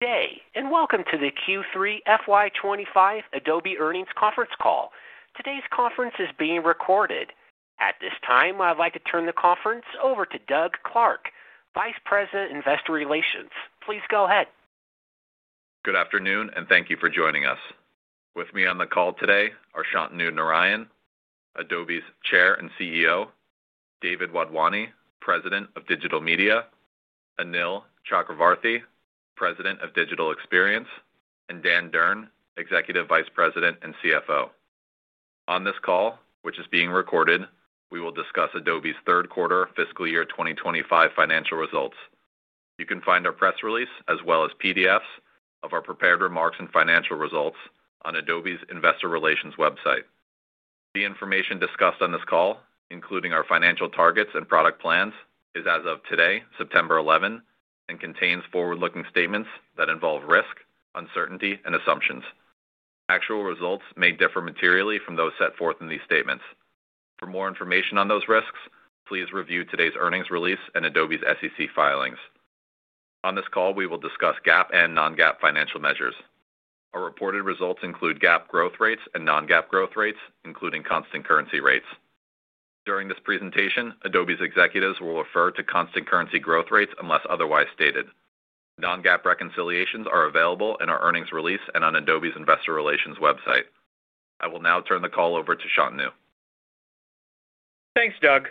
Today, and welcome to the Q3 FY25 Adobe Earnings Conference Call. Today's conference is being recorded. At this time, I'd like to turn the conference over to Doug Clark, Vice President, Investor Relations. Please go ahead. Good afternoon, and thank you for joining us. With me on the call today are Shantanu Narayen, Adobe's Chair and CEO, David Wadhwani, President of Digital Media, Anil Chakravarthy, President of Digital Experience, and Dan Durn, Executive Vice President and CFO. On this call, which is being recorded, we will discuss Adobe's third quarter, fiscal year 2025 financial results. You can find our press release, as well as PDFs of our prepared remarks and financial results on Adobe's Investor Relations website. The information discussed on this call, including our financial targets and product plans, is as of today, September 11, and contains forward-looking statements that involve risk, uncertainty, and assumptions. Actual results may differ materially from those set forth in these statements. For more information on those risks, please review today's earnings release and Adobe's SEC filings. On this call, we will discuss GAAP and non-GAAP financial measures. Our reported results include GAAP growth rates and non-GAAP growth rates, including constant currency rates. During this presentation, Adobe's executives will refer to constant currency growth rates unless otherwise stated. Non-GAAP reconciliations are available in our earnings release and on Adobe's Investor Relations website. I will now turn the call over to Shantanu. Thanks, Doug.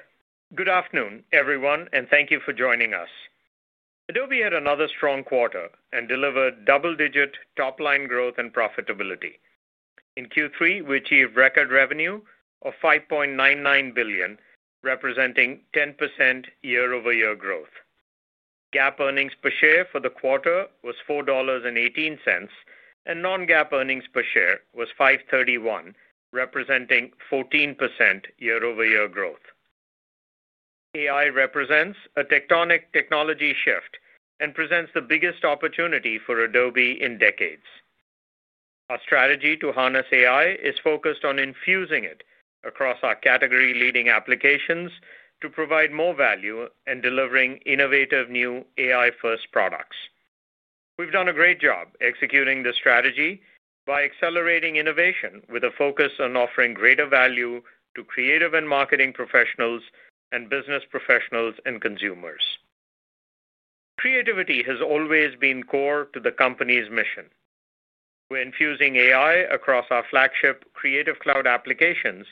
Good afternoon, everyone, and thank you for joining us. Adobe had another strong quarter and delivered double-digit top-line growth and profitability. In Q3, we achieved record revenue of $5.99 billion, representing 10% year-over-year growth. GAAP earnings per share for the quarter was $4.18, and non-GAAP earnings per share was $531, representing 14% year-over-year growth. AI represents a tectonic technology shift and presents the biggest opportunity for Adobe in decades. Our strategy to harness AI is focused on infusing it across our category-leading applications to provide more value and deliver innovative, new AI-first products. We've done a great job executing this strategy by accelerating innovation with a focus on offering greater value to creative and marketing professionals and business professionals and consumers. Creativity has always been core to the company's mission. We're infusing AI across our flagship Creative Cloud applications,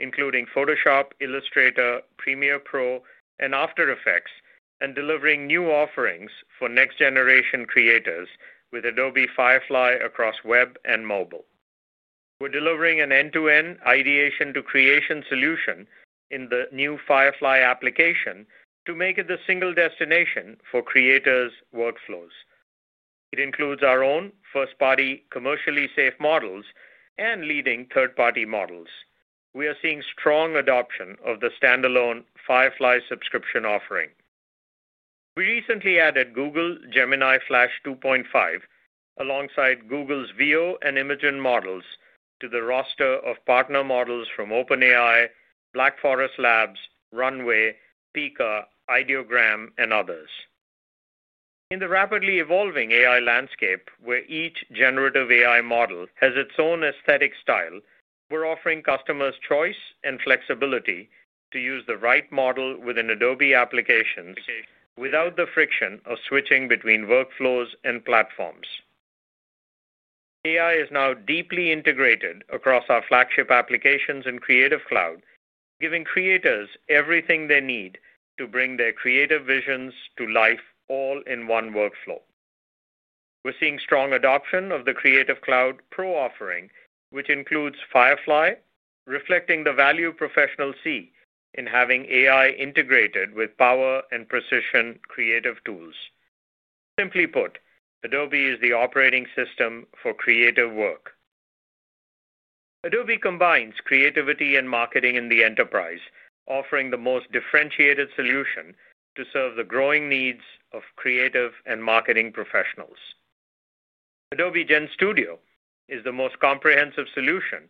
including Photoshop, Illustrator, Premiere Pro, and After Effects, and delivering new offerings for next-generation creators with Adobe Firefly across web and mobile. We're delivering an end-to-end ideation-to-creation solution in the new Firefly application to make it the single destination for creators' workflows. It includes our own first-party, commercially safe models and leading third-party models. We are seeing strong adoption of the standalone Firefly subscription offering. We recently added Google Gemini Flash 2.5 alongside Google's Veo and Imagen models to the roster of partner models from OpenAI, Black Forest Labs, Runway, Pika, Ideogram, and others. In the rapidly evolving AI landscape, where each generative AI model has its own aesthetic style, we're offering customers choice and flexibility to use the right model within Adobe applications without the friction of switching between workflows and platforms. AI is now deeply integrated across our flagship applications and Creative Cloud, giving creators everything they need to bring their creative visions to life all in one workflow. We're seeing strong adoption of the Creative Cloud Pro offering, which includes Firefly, reflecting the value professionals see in having AI integrated with power and precision creative tools. Simply put, Adobe is the operating system for creative work. Adobe combines creativity and marketing in the enterprise, offering the most differentiated solution to serve the growing needs of creative and marketing professionals. Adobe Gen Studio is the most comprehensive solution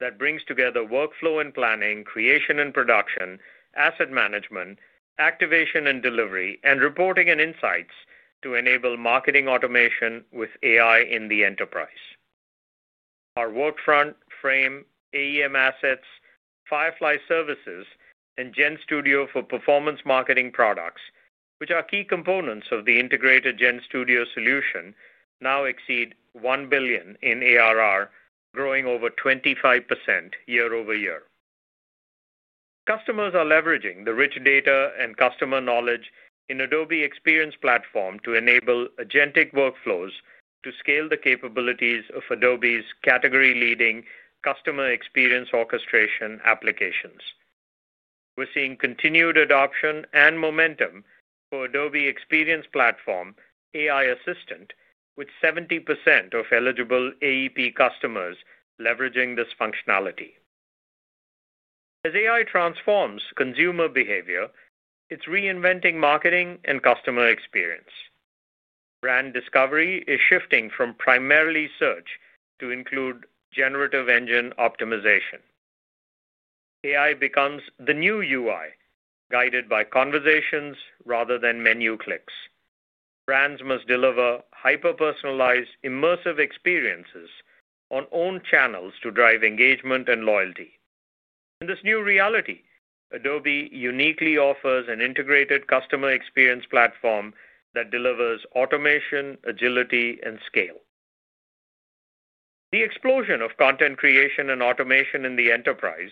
that brings together workflow and planning, creation and production, asset management, activation and delivery, and reporting and insights to enable marketing automation with AI in the enterprise. Our Workfront, Frame, AEM Assets, Firefly Services, and Gen Studio for Performance Marketing products, which are key components of the integrated Gen Studio solution, now exceed $1 billion in ARR, growing over 25% year-over-year. Customers are leveraging the rich data and customer knowledge in Adobe Experience Platform to enable agentic workflows to scale the capabilities of Adobe's category-leading customer experience orchestration applications. We're seeing continued adoption and momentum for Adobe Experience Platform AI Assistant, with 70% of eligible AEP customers leveraging this functionality. As AI transforms consumer behavior, it's reinventing marketing and customer experience. Brand discovery is shifting from primarily search to include generative engine optimization. AI becomes the new UI, guided by conversations rather than menu clicks. Brands must deliver hyper-personalized, immersive experiences on own channels to drive engagement and loyalty. In this new reality, Adobe uniquely offers an integrated customer experience platform that delivers automation, agility, and scale. The explosion of content creation and automation in the enterprise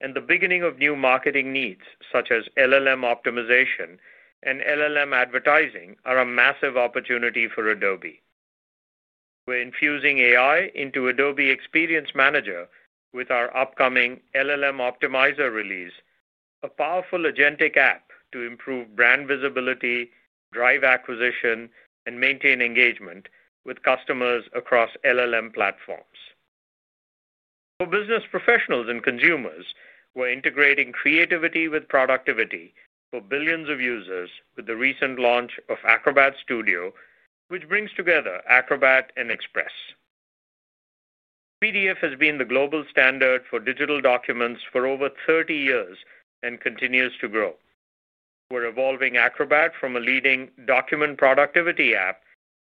and the beginning of new marketing needs, such as LLM optimization and LLM advertising, are a massive opportunity for Adobe. We're infusing AI into Adobe Experience Manager with our upcoming LLM Optimizer release, a powerful agentic app to improve brand visibility, drive acquisition, and maintain engagement with customers across LLM platforms. For business professionals and consumers, we're integrating creativity with productivity for billions of users with the recent launch of Acrobat Studio, which brings together Acrobat and Express. PDF has been the global standard for digital documents for over 30 years and continues to grow. We're evolving Acrobat from a leading document productivity app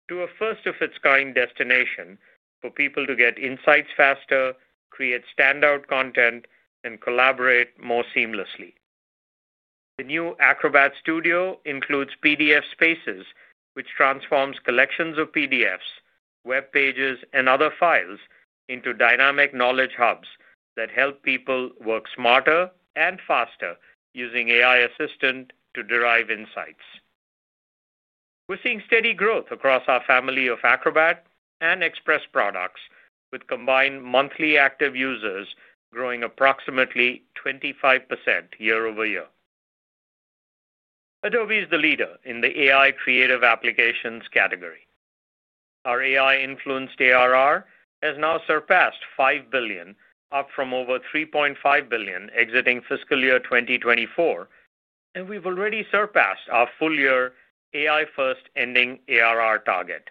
to a first-of-its-kind destination for people to get insights faster, create standout content, and collaborate more seamlessly. The new Acrobat Studio includes PDF Spaces, which transforms collections of PDFs, web pages, and other files into dynamic knowledge hubs that help people work smarter and faster using Acrobat AI Assistant to derive insights. We're seeing steady growth across our family of Acrobat and Express products, with combined monthly active users growing approximately 25% year-over-year. Adobe is the leader in the AI creative applications category. Our AI-influenced ARR has now surpassed $5 billion, up from over $3.5 billion exiting fiscal year 2024, and we've already surpassed our full-year AI-first ending ARR target.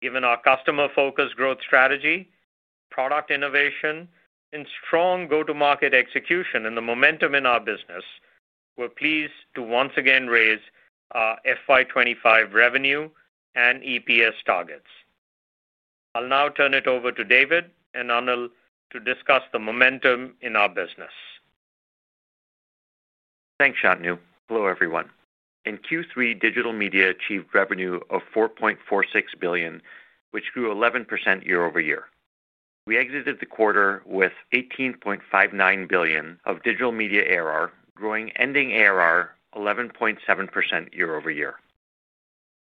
Given our customer-focused growth strategy, product innovation, strong go-to-market execution, and the momentum in our business, we're pleased to once again raise our FY25 revenue and EPS targets. I'll now turn it over to David Wadhwani and Ann Lewnes to discuss the momentum in our business. Thanks, Shantanu. Hello, everyone. In Q3, Digital Media achieved revenue of $4.46 billion, which grew 11% year-over-year. We exited the quarter with $18.59 billion of Digital Media ARR, growing ending ARR 11.7% year-over-year.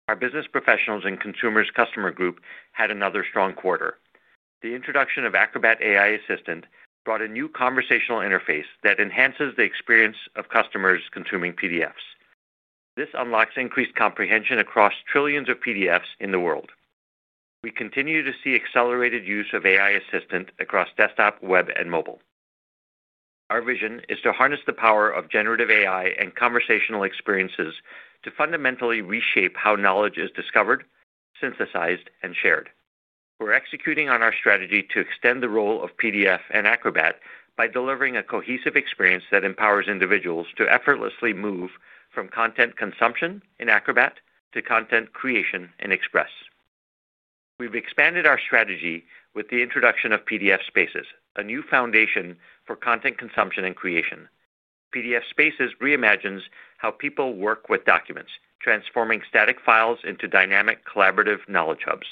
Our Business Professionals and Consumers customer group had another strong quarter. The introduction of Acrobat AI Assistant brought a new conversational interface that enhances the experience of customers consuming PDFs. This unlocks increased comprehension across trillions of PDFs in the world. We continue to see accelerated use of AI Assistant across desktop, web, and mobile. Our vision is to harness the power of generative AI and conversational experiences to fundamentally reshape how knowledge is discovered, synthesized, and shared. We're executing on our strategy to extend the role of PDF and Acrobat by delivering a cohesive experience that empowers individuals to effortlessly move from content consumption in Acrobat to content creation in Express. We've expanded our strategy with the introduction of PDF Spaces, a new foundation for content consumption and creation. PDF Spaces reimagines how people work with documents, transforming static files into dynamic, collaborative knowledge hubs.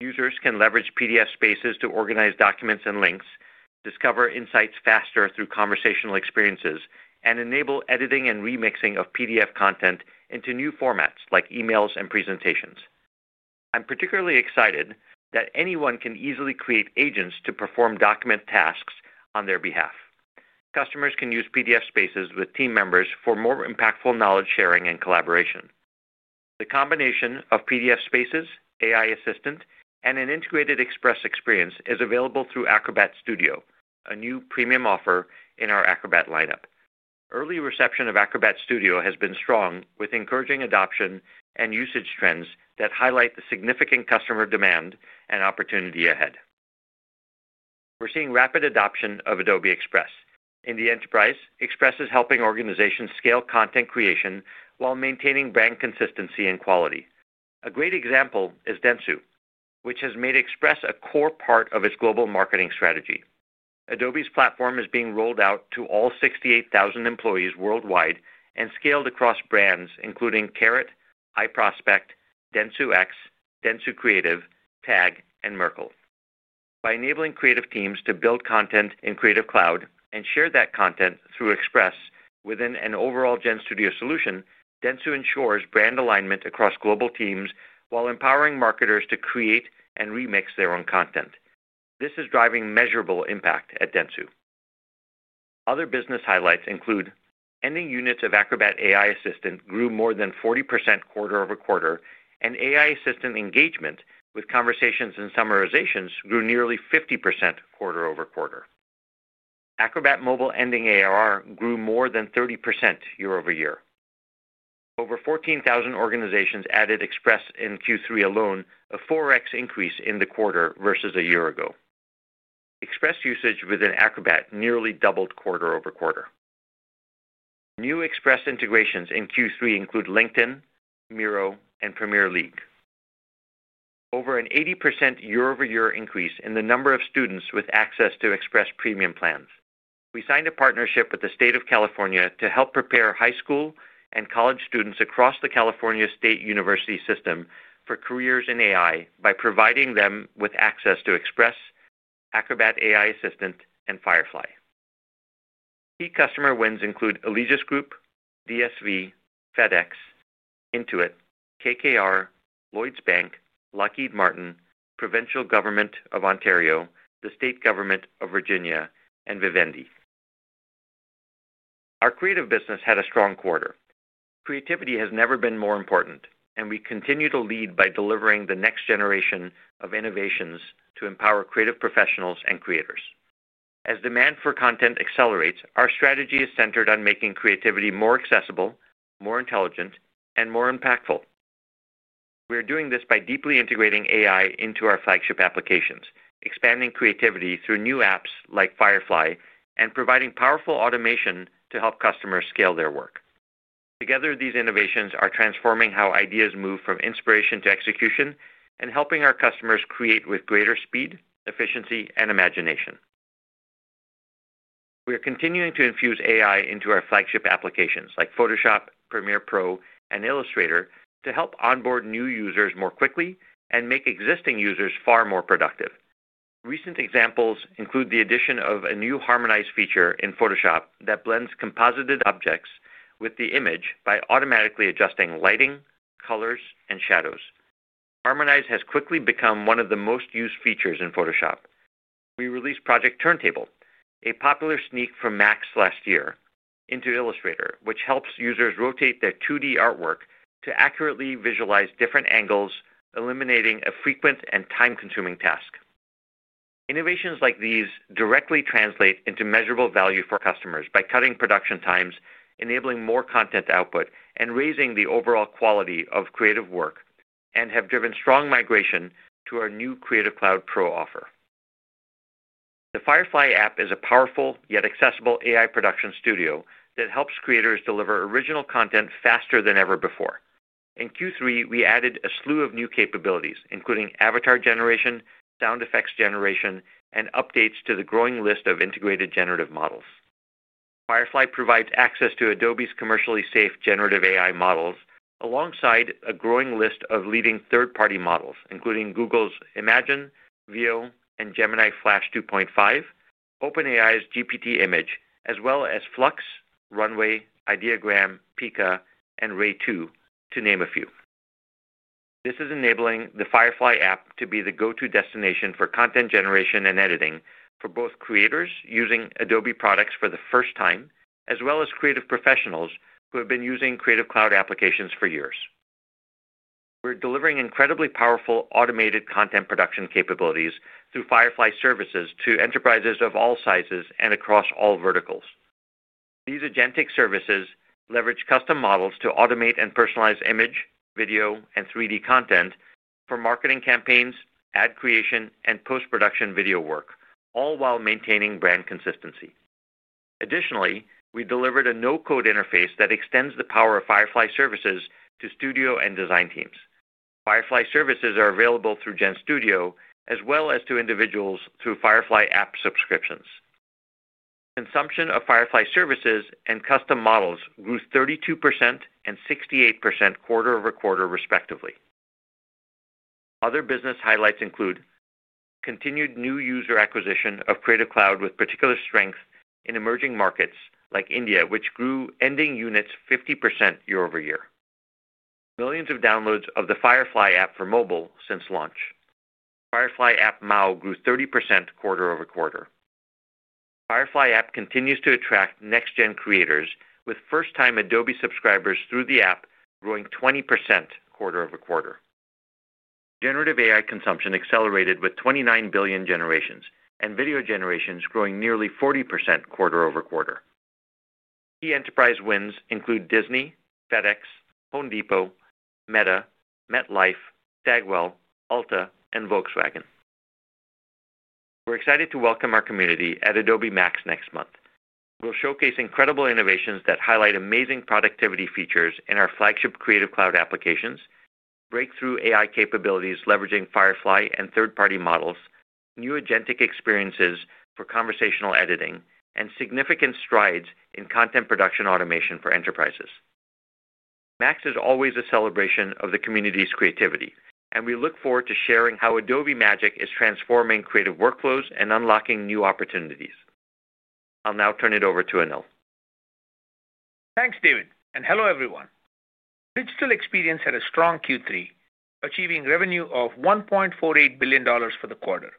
Users can leverage PDF Spaces to organize documents and links, discover insights faster through conversational experiences, and enable editing and remixing of PDF content into new formats like emails and presentations. I'm particularly excited that anyone can easily create agents to perform document tasks on their behalf. Customers can use PDF Spaces with team members for more impactful knowledge sharing and collaboration. The combination of PDF Spaces, AI Assistant, and an integrated Express experience is available through Acrobat Studio, a new premium offer in our Acrobat lineup. Early reception of Acrobat Studio has been strong, with encouraging adoption and usage trends that highlight the significant customer demand and opportunity ahead. We're seeing rapid adoption of Adobe Express. In the enterprise, Express is helping organizations scale content creation while maintaining brand consistency and quality. A great example is Dentsu, which has made Express a core part of its global marketing strategy. Adobe's platform is being rolled out to all 68,000 employees worldwide and scaled across brands including Carrot, iProspect, DentsuX, Dentsu Creative, Tag, and Merkle. By enabling creative teams to build content in Creative Cloud and share that content through Express within an overall Gen Studio solution, Dentsu ensures brand alignment across global teams while empowering marketers to create and remix their own content. This is driving measurable impact at Dentsu. Other business highlights include ending units of Acrobat AI Assistant grew more than 40% quarter-over-quarter, and AI Assistant engagement with conversations and summarizations grew nearly 50% quarter-over-quarter. Acrobat Mobile ending ARR grew more than 30% year-over-year. Over 14,000 organizations added Express in Q3 alone, a 4x increase in the quarter versus a year ago. Express usage within Acrobat nearly doubled quarter-over-quarter. New Express integrations in Q3 include LinkedIn, Miro, and Premier League. Over an 80% year-over-year increase in the number of students with access to Express Premium plans. We signed a partnership with the state of California to help prepare high school and college students across the California State University system for careers in AI by providing them with access to Express, Acrobat AI Assistant, and Firefly. Key customer wins include Allegis Group, DSV, FedEx, Intuit, KKR, Lloyds Bank, Lockheed Martin, Provincial Government of Ontario, the State Government of Virginia, and Vivendi. Our creative business had a strong quarter. Creativity has never been more important, and we continue to lead by delivering the next generation of innovations to empower creative professionals and creators. As demand for content accelerates, our strategy is centered on making creativity more accessible, more intelligent, and more impactful. We're doing this by deeply integrating AI into our flagship applications, expanding creativity through new apps like Firefly, and providing powerful automation to help customers scale their work. Together, these innovations are transforming how ideas move from inspiration to execution and helping our customers create with greater speed, efficiency, and imagination. We are continuing to infuse AI into our flagship applications like Photoshop, Premiere Pro, and Illustrator to help onboard new users more quickly and make existing users far more productive. Recent examples include the addition of a new Harmonize feature in Photoshop that blends composited objects with the image by automatically adjusting lighting, colors, and shadows. Harmonize has quickly become one of the most used features in Photoshop. We released Project Turntable, a popular sneak from Max last year, into Illustrator, which helps users rotate their 2D artwork to accurately visualize different angles, eliminating a frequent and time-consuming task. Innovations like these directly translate into measurable value for customers by cutting production times, enabling more content output, and raising the overall quality of creative work, and have driven strong migration to our new Creative Cloud Pro offer. The Firefly app is a powerful yet accessible AI production studio that helps creators deliver original content faster than ever before. In Q3, we added a slew of new capabilities, including avatar generation, sound effects generation, and updates to the growing list of integrated generative models. Firefly provides access to Adobe's commercially safe generative AI models alongside a growing list of leading third-party models, including Google's Imagen, Veo, and Gemini Flash 2.5, OpenAI's GPT-Image, as well as Flux, Runway, Ideogram, Pika, and Ray-2, to name a few. This is enabling the Firefly app to be the go-to destination for content generation and editing for both creators using Adobe products for the first time, as well as creative professionals who have been using Creative Cloud applications for years. We're delivering incredibly powerful automated content production capabilities through Firefly services to enterprises of all sizes and across all verticals. These agentic services leverage custom models to automate and personalize image, video, and 3D content for marketing campaigns, ad creation, and post-production video work, all while maintaining brand consistency. Additionally, we delivered a no-code interface that extends the power of Firefly services to studio and design teams. Firefly services are available through Gen Studio, as well as to individuals through Firefly app subscriptions. Consumption of Firefly services and custom models grew 32% and 68% quarter-over-quarter, respectively. Other business highlights include continued new user acquisition of Creative Cloud with particular strength in emerging markets like India, which grew ending units 50% year-over-year. Millions of downloads of the Firefly app for mobile since launch. Firefly app MAU grew 30% quarter-over-quarter. Firefly app continues to attract next-gen creators with first-time Adobe subscribers through the app growing 20% quarter-over-quarter. Generative AI consumption accelerated with 29 billion generations and video generations growing nearly 40% quarter-over-quarter. Key enterprise wins include Disney, FedEx, Home Depot, Meta, MetLife, Stagwell, Alta, and Volkswagen. We're excited to welcome our community at Adobe Max next month. We'll showcase incredible innovations that highlight amazing productivity features in our flagship Creative Cloud applications, breakthrough AI capabilities leveraging Firefly and third-party models, new agentic experiences for conversational editing, and significant strides in content production automation for enterprises. Max is always a celebration of the community's creativity, and we look forward to sharing how Adobe Magic is transforming creative workflows and unlocking new opportunities. I'll now turn it over to Anil. Thanks, David, and hello, everyone. Digital Experience had a strong Q3, achieving revenue of $1.48 billion for the quarter.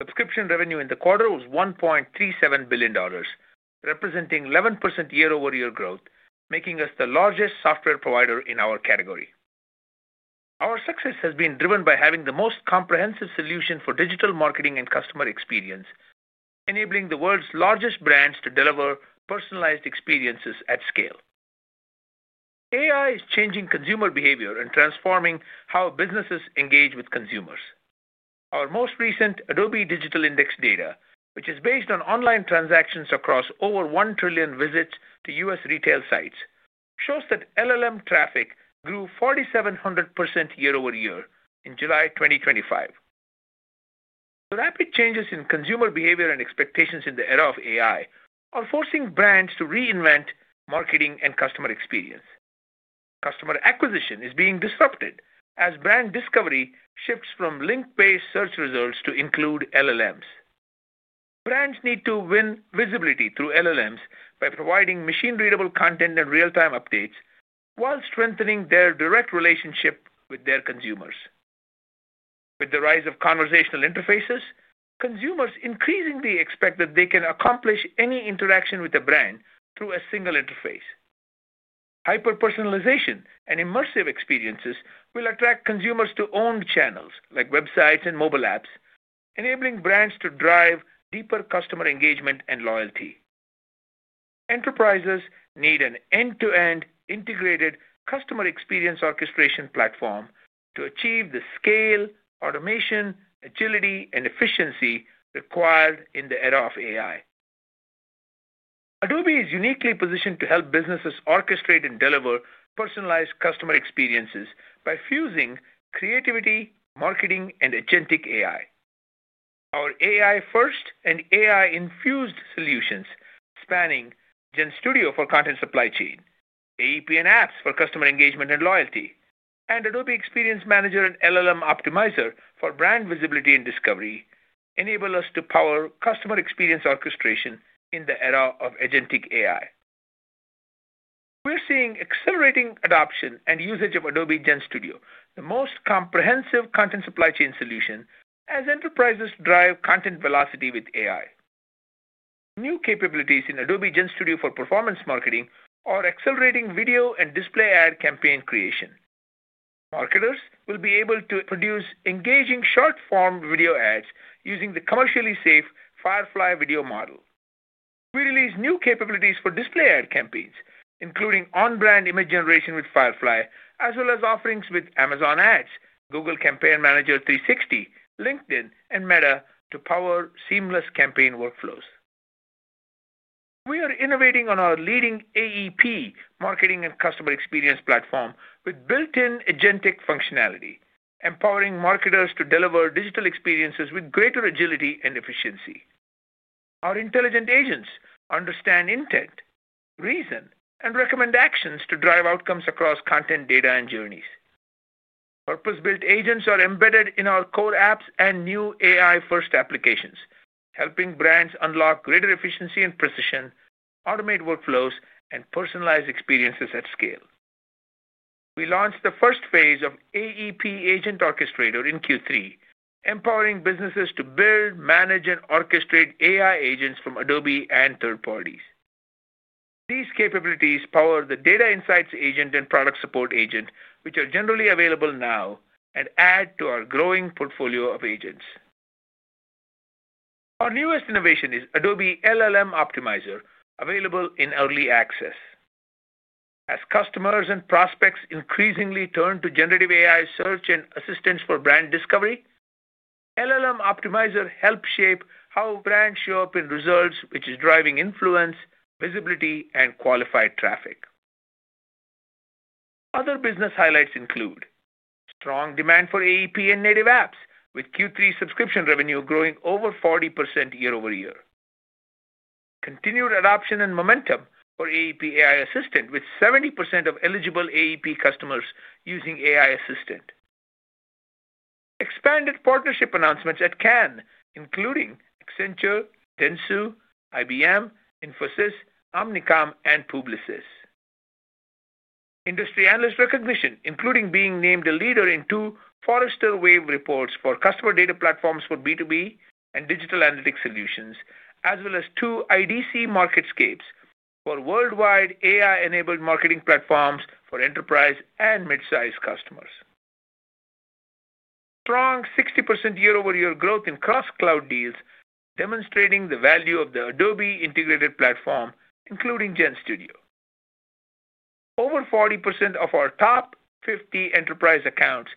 Subscription revenue in the quarter was $1.37 billion, representing 11% YoY growth, making us the largest software provider in our category. Our success has been driven by having the most comprehensive solution for digital marketing and customer experience, enabling the world's largest brands to deliver personalized experiences at scale. AI is changing consumer behavior and transforming how businesses engage with consumers. Our most recent Adobe Digital Index data, which is based on online transactions across over 1 trillion visits to U.S. retail sites, shows that LLM traffic grew 4,700% YoY in July 2025. The rapid changes in consumer behavior and expectations in the era of AI are forcing brands to reinvent marketing and customer experience. Customer acquisition is being disrupted as brand discovery shifts from link-based search results to include LLMs. Brands need to win visibility through LLMs by providing machine-readable content and real-time updates while strengthening their direct relationship with their consumers. With the rise of conversational interfaces, consumers increasingly expect that they can accomplish any interaction with a brand through a single interface. Hyper-personalization and immersive experiences will attract consumers to owned channels like websites and mobile apps, enabling brands to drive deeper customer engagement and loyalty. Enterprises need an end-to-end integrated customer experience orchestration platform to achieve the scale, automation, agility, and efficiency required in the era of AI. Adobe is uniquely positioned to help businesses orchestrate and deliver personalized customer experiences by fusing creativity, marketing, and agentic AI. Our AI-first and AI-infused solutions, spanning Gen Studio for content supply chain, Adobe Experience Platform and apps for customer engagement and loyalty, and Adobe Experience Manager and LLM Optimizer for brand visibility and discovery, enable us to power customer experience orchestration in the era of agentic AI. We're seeing accelerating adoption and usage of Adobe Gen Studio, the most comprehensive content supply chain solution, as enterprises drive content velocity with AI. New capabilities in Adobe Gen Studio for Performance Marketing are accelerating video and display ad campaign creation. Marketers will be able to produce engaging short-form video ads using the commercially safe Firefly video model. We released new capabilities for display ad campaigns, including on-brand image generation with Firefly, as well as offerings with Amazon Ads, Google Campaign Manager 360, LinkedIn, and Meta to power seamless campaign workflows. We are innovating on our leading Adobe Experience Platform marketing and customer experience platform with built-in agentic functionality, empowering marketers to deliver digital experiences with greater agility and efficiency. Our intelligent agents understand intent, reason, and recommend actions to drive outcomes across content data and journeys. Purpose-built agents are embedded in our core apps and new AI-first applications, helping brands unlock greater efficiency and precision, automate workflows, and personalize experiences at scale. We launched the first phase of Adobe Experience Platform Agent Orchestrator in Q3, empowering businesses to build, manage, and orchestrate AI agents from Adobe and third parties. These capabilities power the Data Insights Agent and Product Support Agent, which are generally available now and add to our growing portfolio of agents. Our newest innovation is Adobe LLM Optimizer, available in early access. As customers and prospects increasingly turn to generative AI search and assistance for brand discovery, LLM Optimizer helps shape how brands show up in results, which is driving influence, visibility, and qualified traffic. Other business highlights include strong demand for Adobe Experience Platform and native apps, with Q3 subscription revenue growing over 40% year-ove- year. Continued adoption and momentum for Adobe Experience Platform AI Assistant, with 70% of eligible Adobe Experience Platform customers using AI Assistant. Expanded partnership announcements at Cannes, including Accenture, Dentsu, IBM, Infosys, Omnicom, and Publicis. Industry analyst recognition, including being named a leader in two Forrester Wave reports for customer data platforms for B2B and digital analytics solutions, as well as two IDC Marketscapes for worldwide AI-enabled marketing platforms for enterprise and mid-size customers. Strong 60% year-over-year growth in cross-cloud deals, demonstrating the value of the Adobe integrated platform, including Gen Studio. Over 40% of our top 50 enterprise accounts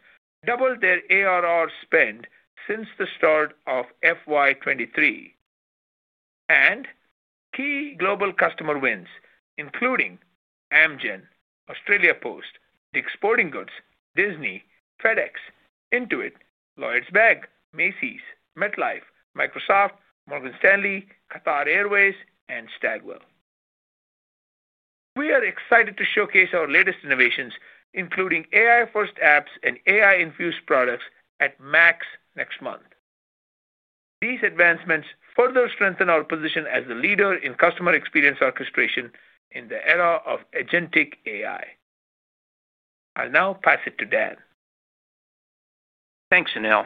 doubled their ARR spend since the start of FY2023. Key global customer wins include Amgen, Australia Post, Dick's Sporting Goods, Disney, FedEx, Intuit, Lloyds Bank, Macy's, MetLife, Microsoft, Morgan Stanley, Qatar Airways, and Stagwell. We are excited to showcase our latest innovations, including AI-first apps and AI-infused products at Max next month. These advancements further strengthen our position as the leader in customer experience orchestration in the era of agentic AI. I'll now pass it to Dan. Thanks, Anil.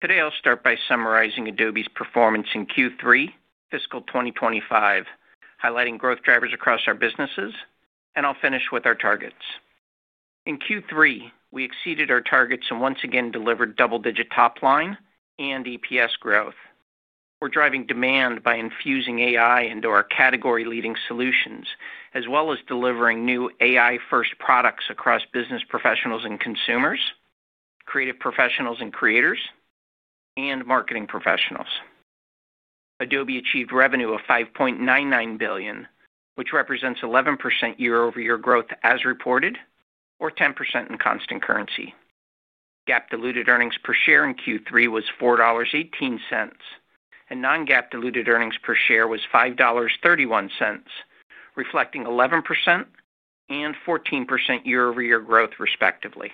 Today, I'll start by summarizing Adobe's performance in Q3, fiscal 2025, highlighting growth drivers across our businesses, and I'll finish with our targets. In Q3, we exceeded our targets and once again delivered double-digit top-line and EPS growth. We're driving demand by infusing AI into our category-leading solutions, as well as delivering new AI-first products across business professionals and consumers, creative professionals and creators, and marketing professionals. Adobe achieved revenue of $5.99 billion, which represents 11% year-over-year growth as reported, or 10% in constant currency. GAAP-diluted earnings per share in Q3 was $4.18, and non-GAAP-diluted earnings per share was $5.31, reflecting 11% and 14% year-over-year growth, respectively.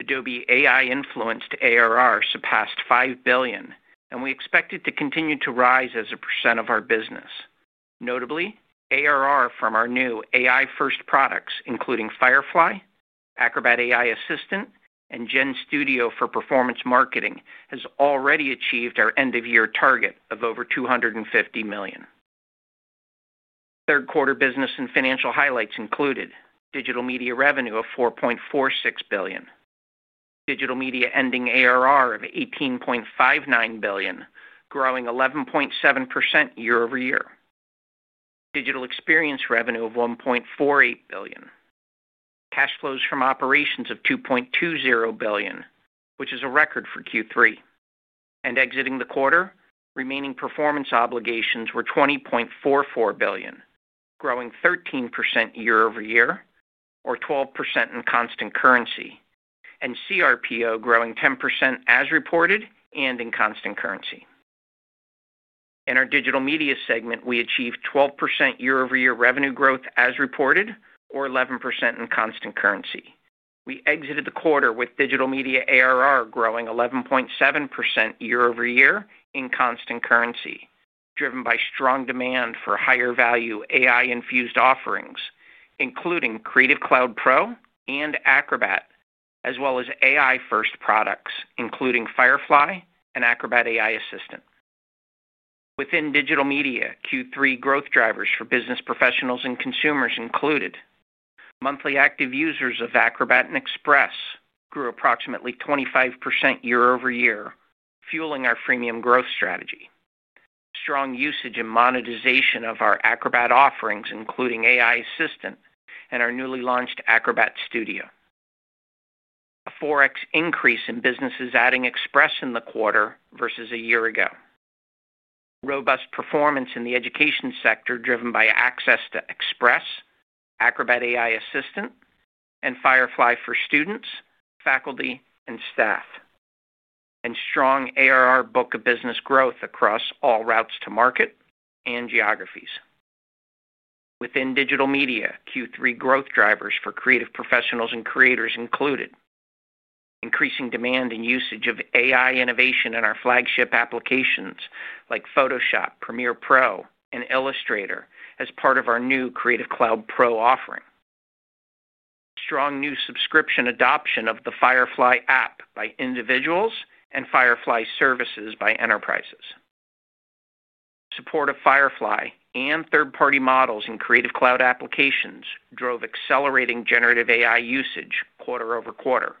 Adobe AI-influenced ARR surpassed $5 billion, and we expect it to continue to rise as a percent of our business. Notably, ARR from our new AI-first products, including Firefly, Acrobat AI Assistant, and Gen Studio for Performance Marketing, has already achieved our end-of-year target of over $250 million. Third-quarter business and financial highlights included digital media revenue of $4.46 billion, digital media ending ARR of $18.59 billion, growing 11.7% year-over-year, digital experience revenue of $1.48 billion, cash flows from operations of $2.20 billion, which is a record for Q3. Exiting the quarter, remaining performance obligations were $20.44 billion, growing 13% year-over-year, or 12% in constant currency, and CRPO growing 10% as reported and in constant currency. In our digital media segment, we achieved 12% year-over-year revenue growth as reported, or 11% in constant currency. We exited the quarter with digital media ARR growing 11.7% year-over-year in constant currency, driven by strong demand for higher-value AI-infused offerings, including Creative Cloud Pro and Acrobat, as well as AI-first products, including Firefly and Acrobat AI Assistant. Within digital media, Q3 growth drivers for business professionals and consumers included monthly active users of Acrobat and Express grew approximately 25% year-over-year, fueling our freemium growth strategy. Strong usage and monetization of our Acrobat offerings, including AI Assistant and our newly launched Acrobat Studio. A 4x increase in businesses adding Express in the quarter versus a year ago. Robust performance in the education sector, driven by access to Express, Acrobat AI Assistant, and Firefly for students, faculty, and staff. Strong ARR book of business growth across all routes to market and geographies. Within digital media, Q3 growth drivers for creative professionals and creators included increasing demand and usage of AI innovation in our flagship applications like Photoshop, Premiere Pro, and Illustrator as part of our new Creative Cloud Pro offering. Strong new subscription adoption of the Firefly app by individuals and Firefly services by enterprises. Support of Firefly and third-party models in Creative Cloud applications drove accelerating generative AI usage quarter over quarter.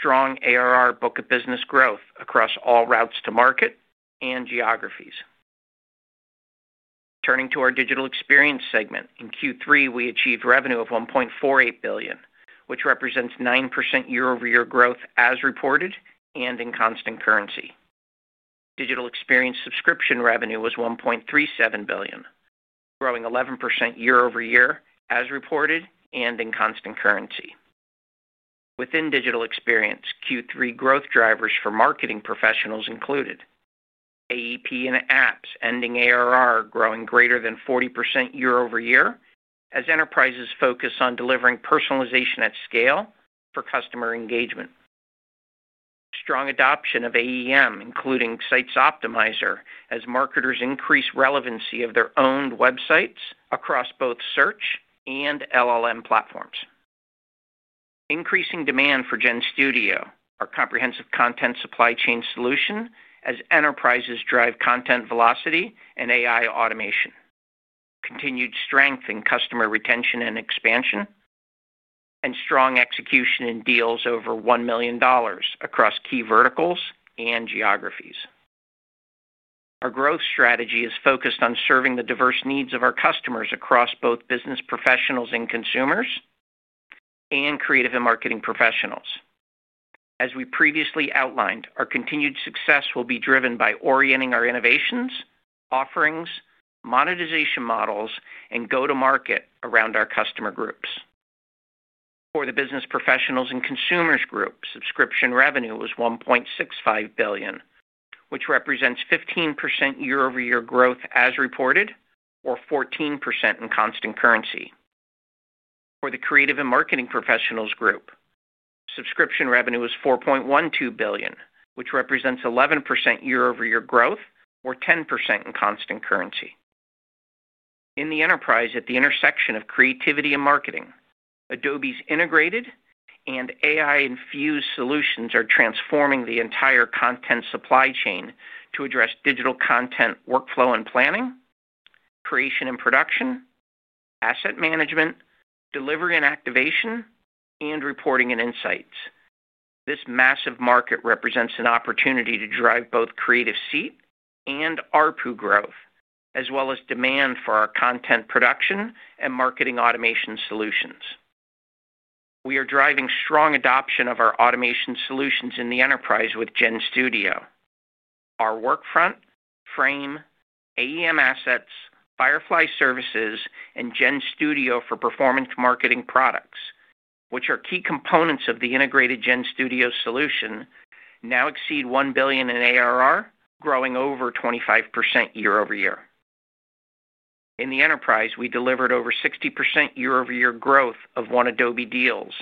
Strong ARR book of business growth across all routes to market and geographies. Turning to our digital experience segment, in Q3, we achieved revenue of $1.48 billion, which represents 9% year-over-year growth as reported and in constant currency. Digital experience subscription revenue was $1.37 billion, growing 11% year-over-year as reported and in constant currency. Within digital experience, Q3 growth drivers for marketing professionals included Adobe Experience Platform and apps ending ARR growing greater than 40% year-over-year as enterprises focus on delivering personalization at scale for customer engagement. Strong adoption of Adobe Experience Manager, including Sites Optimizer, as marketers increase relevancy of their owned websites across both search and LLM platforms. Increasing demand for Gen Studio, our comprehensive content supply chain solution, as enterprises drive content velocity and AI automation. Continued strength in customer retention and expansion and strong execution in deals over $1 million across key verticals and geographies. Our growth strategy is focused on serving the diverse needs of our customers across both business professionals and consumers and creative and marketing professionals. As we previously outlined, our continued success will be driven by orienting our innovations, offerings, monetization models, and go-to-market around our customer groups. For the business professionals and consumers group, subscription revenue was $1.65 billion, which represents 15% year-over-year growth as reported, or 14% in constant currency. For the creative and marketing professionals group, subscription revenue was $4.12 billion, which represents 11% year-over-year growth or 10% in constant currency. In the enterprise, at the intersection of creativity and marketing, Adobe's integrated and AI-infused solutions are transforming the entire content supply chain to address digital content workflow and planning, creation and production, asset management, delivery and activation, and reporting and insights. This massive market represents an opportunity to drive both creative seat and ARPU growth, as well as demand for our content production and marketing automation solutions. We are driving strong adoption of our automation solutions in the enterprise with Gen Studio. Our Workfront, Frame, Adobe Experience Manager Assets, Firefly Services, and Gen Studio for Performance Marketing products, which are key components of the integrated Gen Studio solution, now exceed $1 billion in ARR, growing over 25% year-over-year. In the enterprise, we delivered over 60% year-over-year growth of one Adobe deals,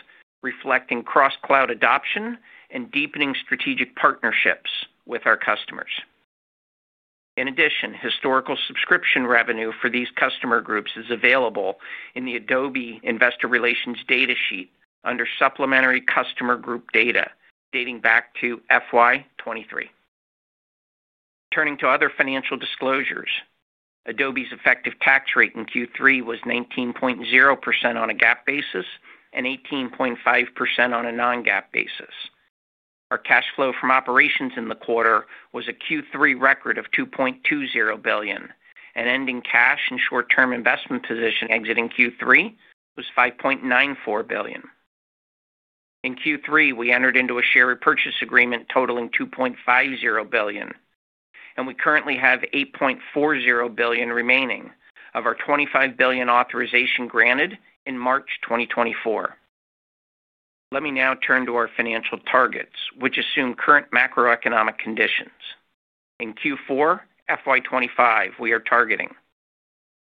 reflecting cross-cloud adoption and deepening strategic partnerships with our customers. In addition, historical subscription revenue for these customer groups is available in the Adobe Investor Relations Data Sheet under supplementary customer group data dating back to FY2023. Turning to other financial disclosures, Adobe's effective tax rate in Q3 was 19.0% on a GAAP basis and 18.5% on a non-GAAP basis. Our cash flow from operations in the quarter was a Q3 record of $2.20 billion, and ending cash and short-term investment position exiting Q3 was $5.94 billion. In Q3, we entered into a share repurchase agreement totaling $2.50 billion, and we currently have $8.40 billion remaining of our $25 billion authorization granted in March 2024. Let me now turn to our financial targets, which assume current macroeconomic conditions. In Q4, FY2025, we are targeting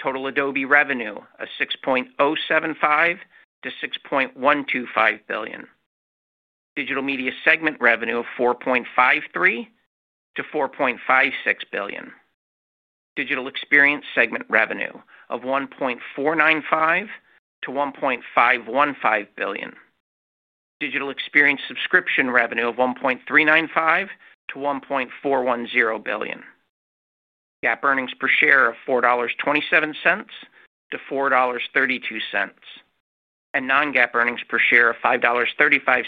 total Adobe revenue of $6.075 billion-$6.125 billion, digital media segment revenue of $4.53 billion-$4.56 billion, digital experience segment revenue of $1.495 billion-$1.515 billion, digital experience subscription revenue of $1.395 billion-$1.410 billion, GAAP earnings per share of $4.27-$4.32, and non-GAAP earnings per share of $5.35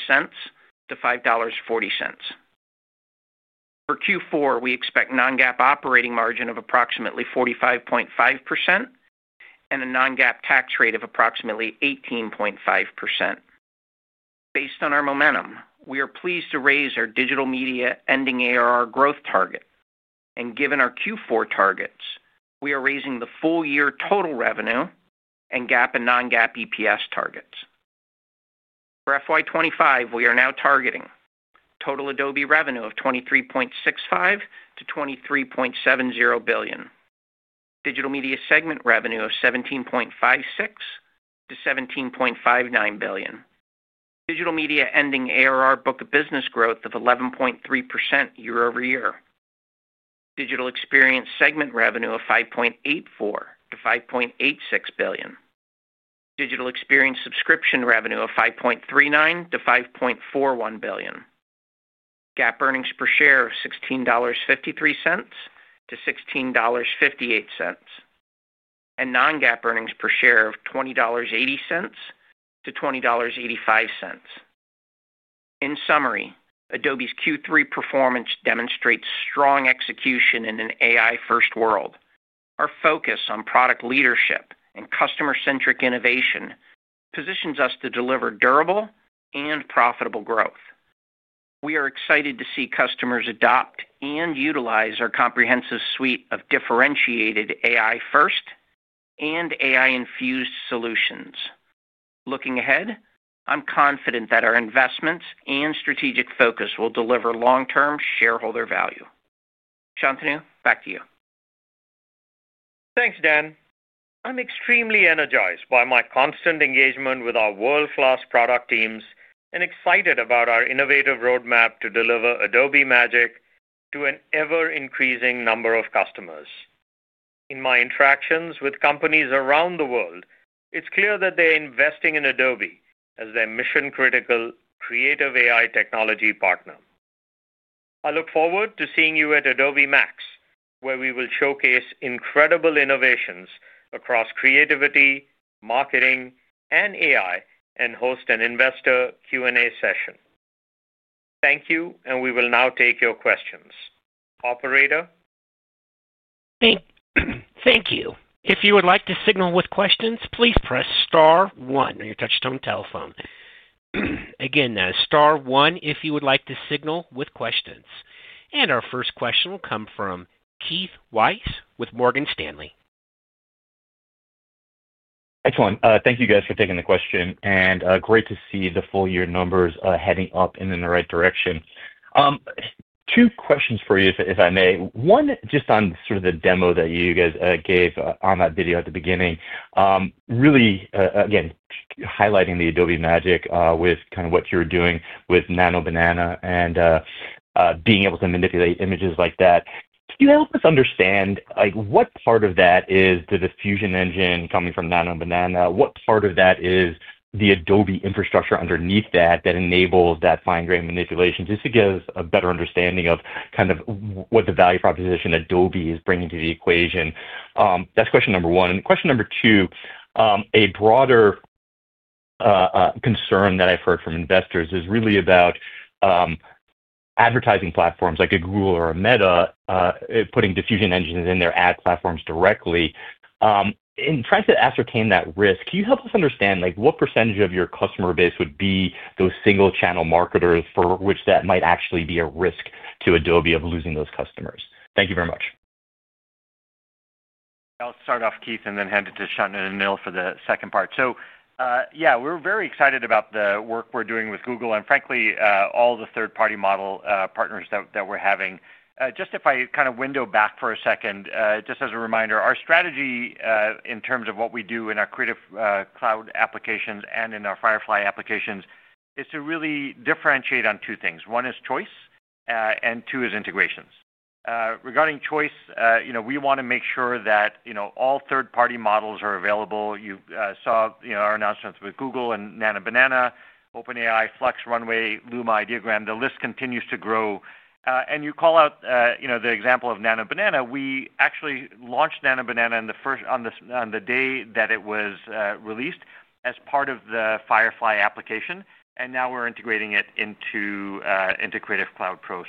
-$5.40. For Q4, we expect non-GAAP operating margin of approximately 45.5% and a non-GAAP tax rate of approximately 18.5%. Based on our momentum, we are pleased to raise our digital media ending ARR growth target, and given our Q4 targets, we are raising the full-year total revenue and GAAP and non-GAAP EPS targets. For FY25, we are now targeting total Adobe revenue of $23.65 billion-$23.70 billion, digital media segment revenue of $17.56 billion-$17.59 billion, digital media ending ARR book of business growth of 11.3% YoY, digital experience segment revenue of $5.84 billion-$5.86 billion, digital experience subscription revenue of $5.39 billion-$5.41 billion, GAAP EPS of $16.53-$16.58, and non-GAAP EPS of $20.80-$20.85. In summary, Adobe's Q3 performance demonstrates strong execution in an AI-first world. Our focus on product leadership and customer-centric innovation positions us to deliver durable and profitable growth. We are excited to see customers adopt and utilize our comprehensive suite of differentiated AI-first and AI-infused solutions. Looking ahead, I'm confident that our investments and strategic focus will deliver long-term shareholder value. Shantanu, back to you. Thanks, Dan. I'm extremely energized by my constant engagement with our world-class product teams and excited about our innovative roadmap to deliver Adobe Magic to an ever-increasing number of customers. In my interactions with companies around the world, it's clear that they're investing in Adobe as their mission-critical creative AI technology partner. I look forward to seeing you at Adobe Max, where we will showcase incredible innovations across creativity, marketing, and AI, and host an investor Q&A session. Thank you, and we will now take your questions. Operator? Thank you. If you would like to signal with questions, please press star one on your touch-tone telephone. Again, star one if you would like to signal with questions. Our first question will come from Keith Weiss with Morgan Stanley. Excellent. Thank you guys for taking the question, and great to see the full-year numbers heading up and in the right direction. Two questions for you, if I may. One, just on sort of the demo that you guys gave on that video at the beginning, really, again, highlighting the Adobe Magic with kind of what you're doing with Nano Banana and being able to manipulate images like that. Can you help us understand what part of that is the diffusion engine coming from Nano Banana? What part of that is the Adobe infrastructure underneath that that enables that fine-grained manipulation? Just to give a better understanding of kind of what the value proposition Adobe is bringing to the equation. That's question number one. Question number two, a broader concern that I've heard from investors is really about advertising platforms like a Google or a Meta putting diffusion engines in their ad platforms directly. In trying to ascertain that risk, can you help us understand what % of your customer base would be those single-channel marketers for which that might actually be a risk to Adobe of losing those customers? Thank you very much. I'll start off, Keith, and then hand it to Shantanu and Anil for the second part. We're very excited about the work we're doing with Google and, frankly, all the third-party model partners that we're having. If I kind of window back for a second, just as a reminder, our strategy in terms of what we do in our Creative Cloud applications and in our Firefly applications is to really differentiate on two things. One is choice, and two is integrations. Regarding choice, we want to make sure that all third-party models are available. You saw our announcements with Google and Nano Banana, OpenAI, Flux, Runway, Luma, Ideogram. The list continues to grow. You call out the example of Nano Banana. We actually launched Nano Banana on the day that it was released as part of the Firefly application, and now we're integrating it into Creative Cloud Pro.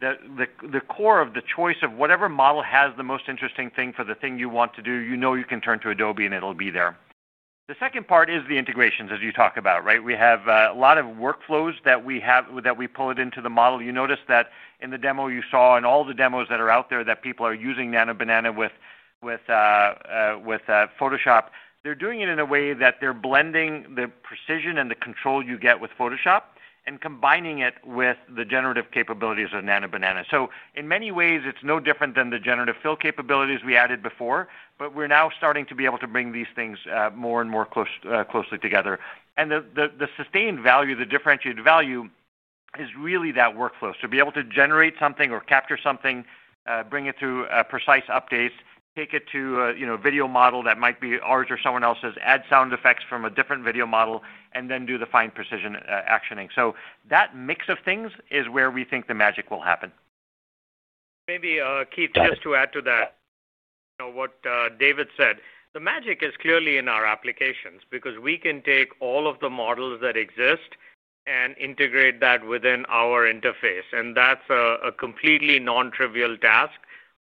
The core of the choice of whatever model has the most interesting thing for the thing you want to do, you know you can turn to Adobe, and it'll be there. The second part is the integrations, as you talk about. We have a lot of workflows that we pull into the model. You notice that in the demo you saw and all the demos that are out there that people are using Nano Banana with Photoshop, they're doing it in a way that they're blending the precision and the control you get with Photoshop and combining it with the generative capabilities of Nano Banana. In many ways, it's no different than the generative fill capabilities we added before, but we're now starting to be able to bring these things more and more closely together. The sustained value, the differentiated value, is really that workflow. To be able to generate something or capture something, bring it through precise updates, take it to a video model that might be ours or someone else's, add sound effects from a different video model, and then do the fine precision actioning. That mix of things is where we think the magic will happen. Maybe Keith, just to add to that, what David said, the magic is clearly in our applications because we can take all of the models that exist and integrate that within our interface. That's a completely non-trivial task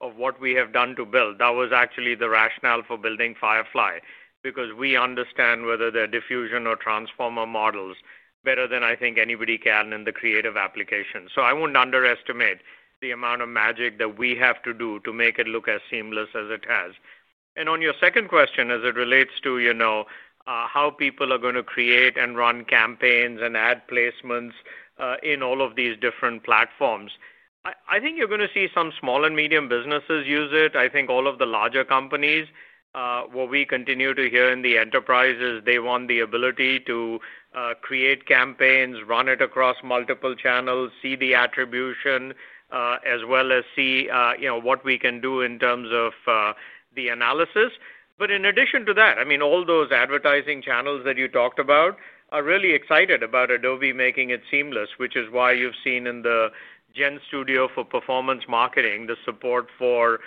of what we have done to build. That was actually the rationale for building Firefly because we understand whether they're diffusion or transformer models better than I think anybody can in the creative application. I won't underestimate the amount of magic that we have to do to make it look as seamless as it has. On your second question, as it relates to how people are going to create and run campaigns and ad placements in all of these different platforms, I think you're going to see some small and medium businesses use it. I think all of the larger companies, what we continue to hear in the enterprises, they want the ability to create campaigns, run it across multiple channels, see the attribution, as well as see what we can do in terms of the analysis. In addition to that, all those advertising channels that you talked about are really excited about Adobe making it seamless, which is why you've seen in the Gen Studio for Performance Marketing the support for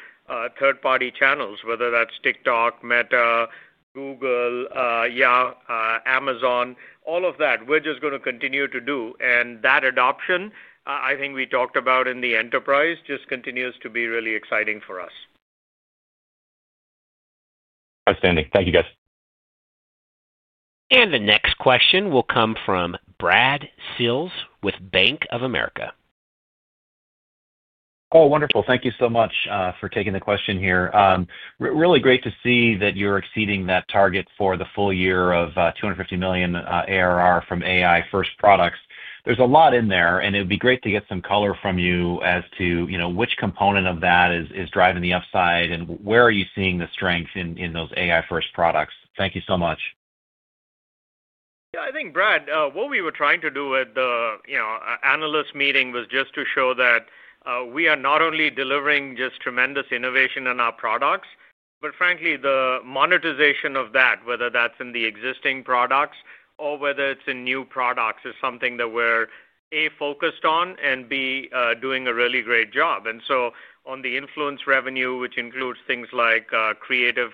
third-party channels, whether that's TikTok, Meta, Google, Amazon, all of that. We're just going to continue to do. That adoption, I think we talked about in the enterprise, just continues to be really exciting for us. Outstanding. Thank you, guys. The next question will come from Brad Sills with Bank of America. Oh, wonderful. Thank you so much for taking the question here. Really great to see that you're exceeding that target for the full year of $250 million ARR from AI-first products. There's a lot in there, and it would be great to get some color from you as to which component of that is driving the upside and where are you seeing the strength in those AI-first products. Thank you so much. Yeah, I think, Brad, what we were trying to do at the analyst meeting was just to show that we are not only delivering just tremendous innovation in our products, but frankly, the monetization of that, whether that's in the existing products or whether it's in new products, is something that we're A, focused on and B, doing a really great job. On the influence revenue, which includes things like Creative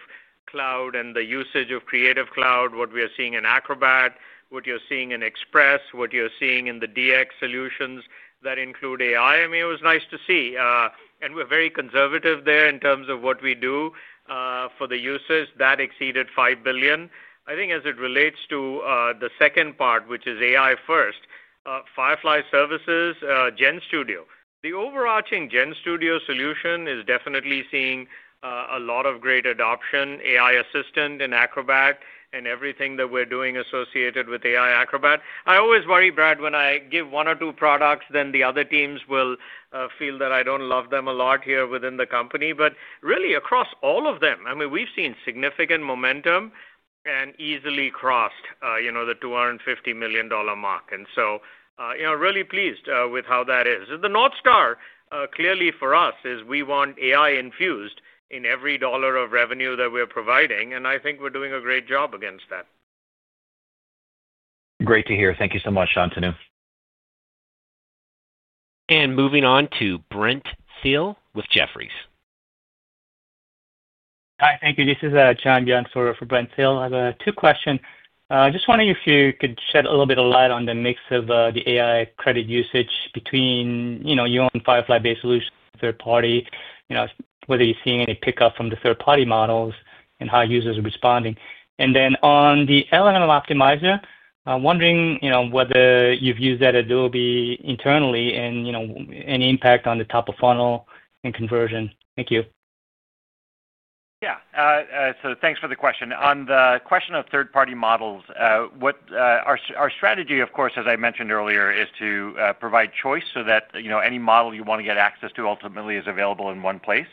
Cloud and the usage of Creative Cloud, what we are seeing in Acrobat, what you're seeing in Express, what you're seeing in the DX solutions that include AI, it was nice to see. We're very conservative there in terms of what we do for the users. That exceeded $5 billion. I think as it relates to the second part, which is AI-first, Firefly Services, Gen Studio, the overarching Gen Studio solution is definitely seeing a lot of great adoption, AI Assistant and Acrobat, and everything that we're doing associated with AI Acrobat. I always worry, Brad, when I give one or two products, then the other teams will feel that I don't love them a lot here within the company. Really, across all of them, we've seen significant momentum and easily crossed the $250 million mark. I'm really pleased with how that is. The North Star, clearly for us, is we want AI-infused in every dollar of revenue that we're providing, and I think we're doing a great job against that. Great to hear. Thank you so much, Shantanu. Moving on to Brent Bracelin with Jefferies. Hi, thank you. This is John Jansworder for Brent Thill. I have two questions. I'm just wondering if you could shed a little bit of light on the mix of the AI credit usage between your own Firefly-based solution and third party, whether you're seeing any pickup from the third-party models and how users are responding. On the LLM Optimizer, I'm wondering whether you've used that Adobe internally and any impact on the top of funnel and conversion. Thank you. Yeah, thanks for the question. On the question of third-party models, our strategy, of course, as I mentioned earlier, is to provide choice so that any model you want to get access to ultimately is available in one place,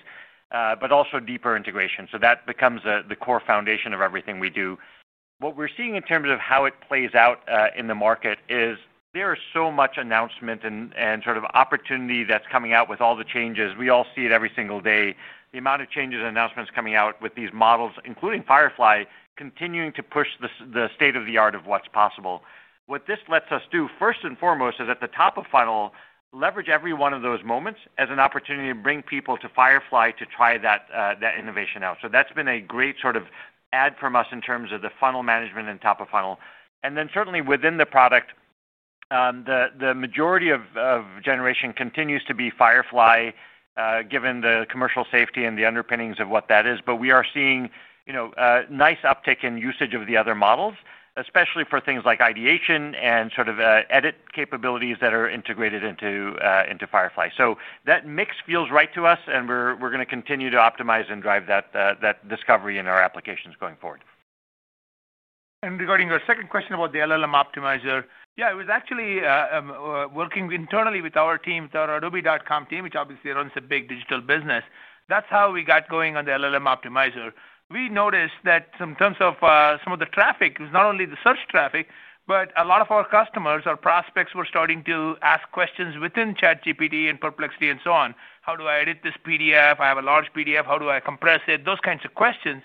but also deeper integration. That becomes the core foundation of everything we do. What we're seeing in terms of how it plays out in the market is there is so much announcement and sort of opportunity that's coming out with all the changes. We all see it every single day. The amount of changes and announcements coming out with these models, including Firefly, continuing to push the state of the art of what's possible. What this lets us do, first and foremost, is at the top of funnel, leverage every one of those moments as an opportunity to bring people to Firefly to try that innovation out. That's been a great sort of add from us in terms of the funnel management and top of funnel. Certainly within the product, the majority of generation continues to be Firefly, given the commercial safety and the underpinnings of what that is. We are seeing a nice uptick in usage of the other models, especially for things like ideation and sort of edit capabilities that are integrated into Firefly. That mix feels right to us, and we're going to continue to optimize and drive that discovery in our applications going forward. Regarding your second question about the LLM Optimizer, it was actually working internally with our team, our Adobe.com team, which obviously runs a big digital business. That's how we got going on the LLM Optimizer. We noticed that in terms of some of the traffic, it was not only the search traffic, but a lot of our customers or prospects were starting to ask questions within ChatGPT and Perplexity and so on. How do I edit this PDF? I have a large PDF. How do I compress it? Those kinds of questions.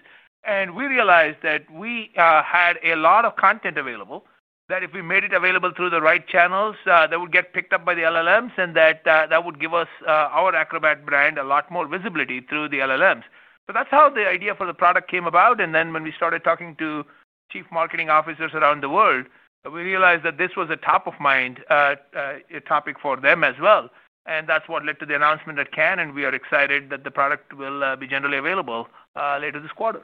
We realized that we had a lot of content available, that if we made it available through the right channels, that would get picked up by the LLMs and that that would give our Acrobat brand a lot more visibility through the LLMs. That's how the idea for the product came about. When we started talking to Chief Marketing Officers around the world, we realized that this was a top-of-mind topic for them as well. That led to the announcement at Cannes, and we are excited that the product will be generally available later this quarter.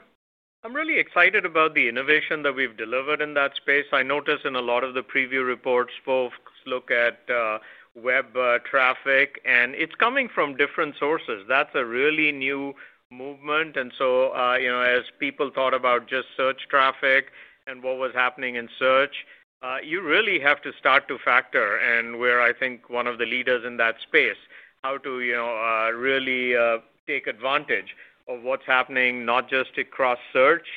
I'm really excited about the innovation that we've delivered in that space. I notice in a lot of the preview reports, folks look at web traffic, and it's coming from different sources. That's a really new movement. As people thought about just search traffic and what was happening in search, you really have to start to factor, and we're, I think, one of the leaders in that space, how to really take advantage of what's happening, not just across search,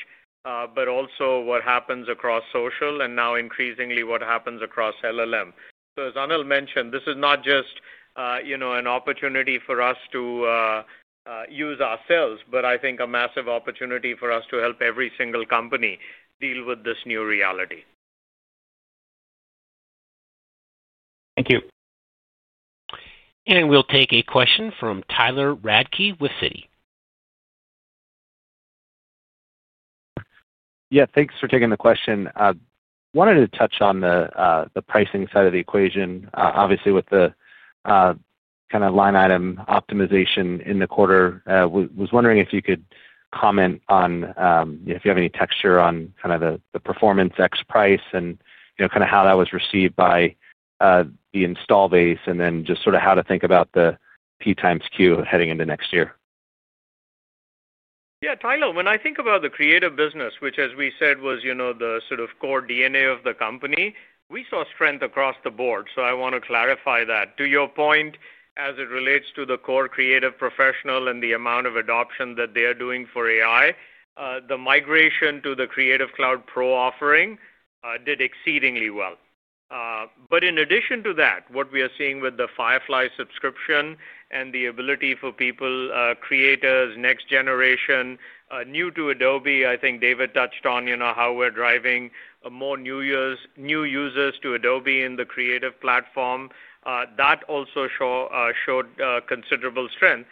but also what happens across social and now increasingly what happens across LLM. As Anil mentioned, this is not just an opportunity for us to use ourselves, but I think a massive opportunity for us to help every single company deal with this new reality. Thank you. We'll take a question from Tyler Radke with Wells Fargo. Yeah, thanks for taking the question. I wanted to touch on the pricing side of the equation. Obviously, with the kind of line item optimization in the quarter, I was wondering if you could comment on if you have any texture on kind of the Performance X price and how that was received by the install base, and then just sort of how to think about the P times Q heading into next year. Yeah, Tyler, when I think about the creative business, which, as we said, was the sort of core DNA of the company, we saw strength across the board. I want to clarify that. To your point, as it relates to the core creative professionals and the amount of adoption that they are doing for AI, the migration to the Creative Cloud Pro offering did exceedingly well. In addition to that, what we are seeing with the Firefly subscription and the ability for people, creators, next generation, new to Adobe, I think David touched on how we're driving more new users to Adobe in the creative platform. That also showed considerable strength.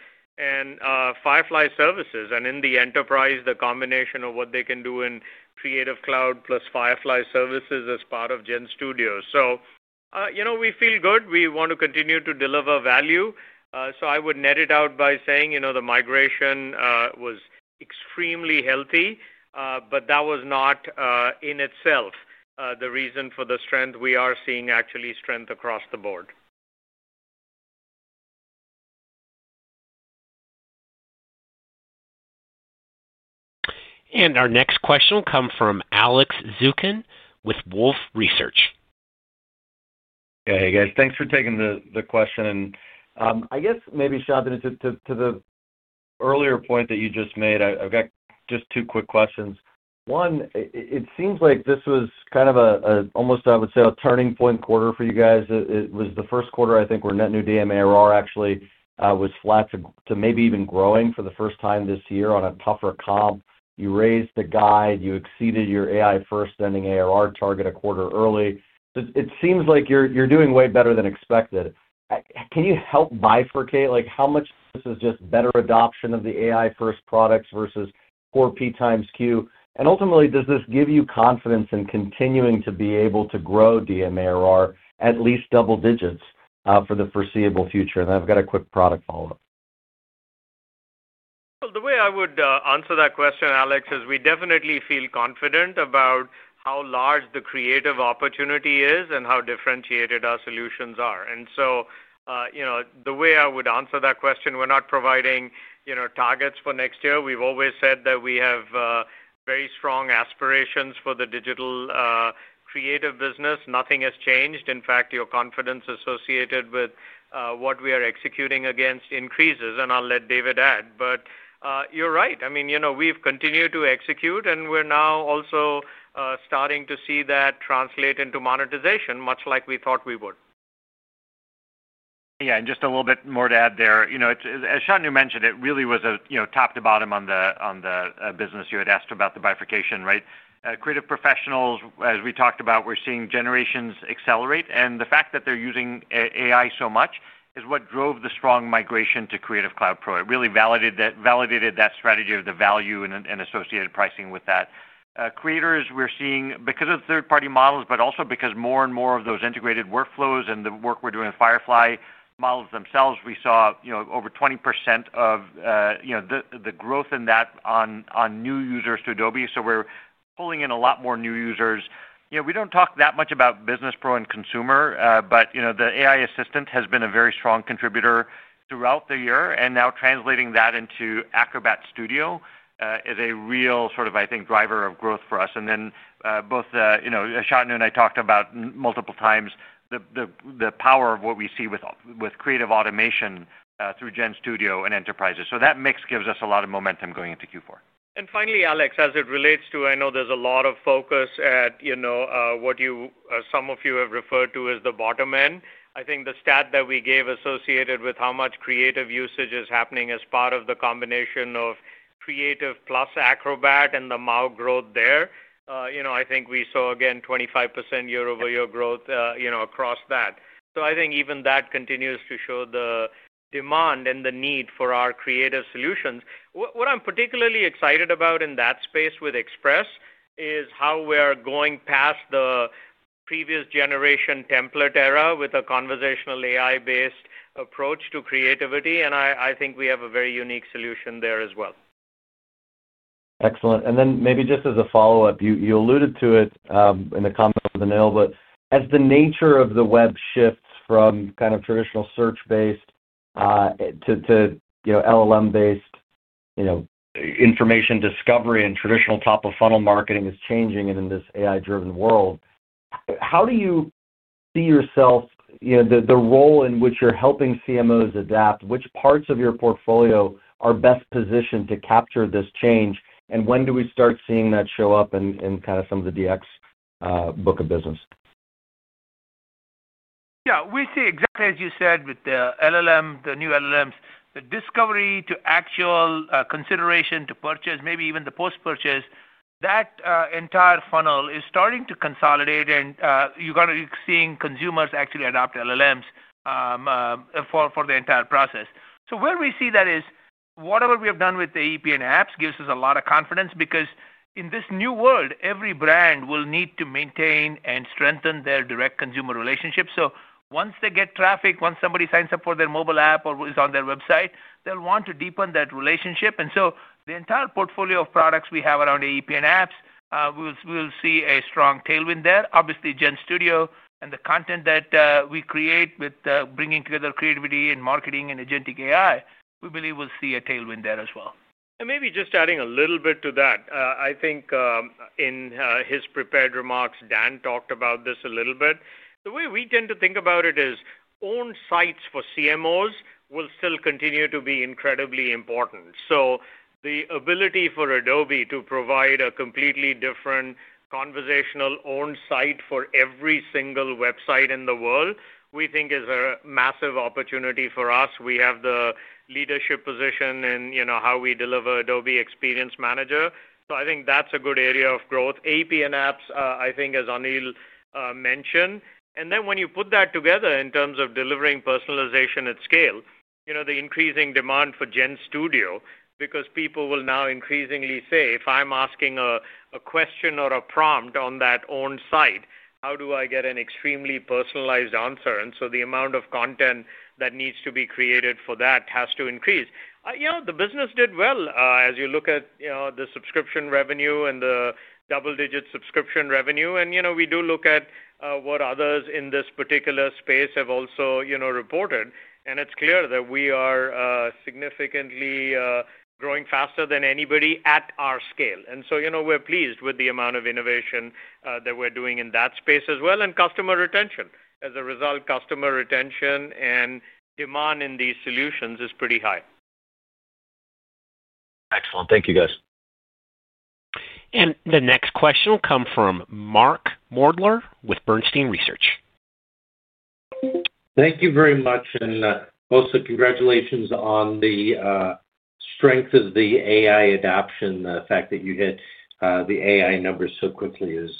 Firefly Services, and in the enterprise, the combination of what they can do in Creative Cloud plus Firefly Services as part of Gen Studio. We feel good. We want to continue to deliver value. I would net it out by saying the migration was extremely healthy, but that was not in itself the reason for the strength we are seeing, actually strength across the board. Our next question will come from Alex Zukin with Wolfe Research. Hey, hey guys, thanks for taking the question. I guess maybe, Shantanu, to the earlier point that you just made, I've got just two quick questions. One, it seems like this was kind of almost, I would say, a turning point quarter for you guys. It was the first quarter, I think, where Net New DM ARR actually was flat to maybe even growing for the first time this year on a tougher comp. You raised the guide. You exceeded your AI-first ending ARR target a quarter early. It seems like you're doing way better than expected. Can you help bifurcate how much this is just better adoption of the AI-first products versus core P times Q? Ultimately, does this give you confidence in continuing to be able to grow DM ARR at least double digits for the foreseeable future? I've got a quick product follow-up. The way I would answer that question, Alex, is we definitely feel confident about how large the creative opportunity is and how differentiated our solutions are. The way I would answer that question, we're not providing targets for next year. We've always said that we have very strong aspirations for the digital creative business. Nothing has changed. In fact, your confidence associated with what we are executing against increases, and I'll let David add. You're right. I mean, we've continued to execute, and we're now also starting to see that translate into monetization, much like we thought we would. Yeah, and just a little bit more to add there. As Shantanu mentioned, it really was top to bottom on the business. You had asked about the bifurcation. Creative professionals, as we talked about, we're seeing generations accelerate, and the fact that they're using AI so much is what drove the strong migration to Creative Cloud Pro. It really validated that strategy of the value and associated pricing with that. Creators, we're seeing because of third-party models, but also because more and more of those integrated workflows and the work we're doing with Firefly models themselves, we saw over 20% of the growth in that on new users to Adobe. We're pulling in a lot more new users. We don't talk that much about Business Pro and Consumer, but the AI Assistant has been a very strong contributor throughout the year, and now translating that into Acrobat Studio is a real sort of, I think, driver of growth for us. Both Shantanu and I talked about multiple times the power of what we see with creative automation through Gen Studio and enterprises. That mix gives us a lot of momentum going into Q4. Finally, Alex, as it relates to, I know there's a lot of focus at what some of you have referred to as the bottom end. I think the stat that we gave associated with how much creative usage is happening as part of the combination of Creative plus Acrobat and the MAU growth there, I think we saw 25% year-over-year growth across that. I think even that continues to show the demand and the need for our creative solutions. What I'm particularly excited about in that space with Express is how we are going past the previous generation template era with a conversational AI-based approach to creativity, and I think we have a very unique solution there as well. Excellent. Maybe just as a follow-up, you alluded to it in the comment of Anil, but as the nature of the web shifts from kind of traditional search-based to LLM-based information discovery and traditional top-of-funnel marketing is changing in this AI-driven world, how do you see yourself, the role in which you're helping CMOs adapt, which parts of your portfolio are best positioned to capture this change, and when do we start seeing that show up in kind of some of the DX book of business? Yeah, we see exactly as you said with the LLM, the new LLMs, the discovery to actual consideration to purchase, maybe even the post-purchase, that entire funnel is starting to consolidate, and you're seeing consumers actually adopt LLMs for the entire process. Where we see that is whatever we have done with the Adobe Experience Platform and apps gives us a lot of confidence because in this new world, every brand will need to maintain and strengthen their direct consumer relationships. Once they get traffic, once somebody signs up for their mobile app or is on their website, they'll want to deepen that relationship. The entire portfolio of products we have around Adobe Experience Platform and apps, we'll see a strong tailwind there. Obviously, Gen Studio and the content that we create with bringing together creativity and marketing and agentic AI, we believe we'll see a tailwind there as well. Maybe just adding a little bit to that, I think in his prepared remarks, Dan talked about this a little bit. The way we tend to think about it is own sites for CMOs will still continue to be incredibly important. The ability for Adobe to provide a completely different conversational owned site for every single website in the world, we think is a massive opportunity for us. We have the leadership position in how we deliver Adobe Experience Manager. I think that's a good area of growth. Adobe Experience Platform and apps, I think, as Anil mentioned. When you put that together in terms of delivering personalization at scale, the increasing demand for Gen Studio because people will now increasingly say, if I'm asking a question or a prompt on that owned site, how do I get an extremely personalized answer? The amount of content that needs to be created for that has to increase. The business did well as you look at the subscription revenue and the double-digit subscription revenue. We do look at what others in this particular space have also reported, and it's clear that we are significantly growing faster than anybody at our scale. We're pleased with the amount of innovation that we're doing in that space as well. Customer retention and demand in these solutions is pretty high. Excellent. Thank you, guys. The next question will come from Mark Murphy with Bernstein Research. Thank you very much, and also congratulations on the strength of the AI adoption. The fact that you hit the AI numbers so quickly is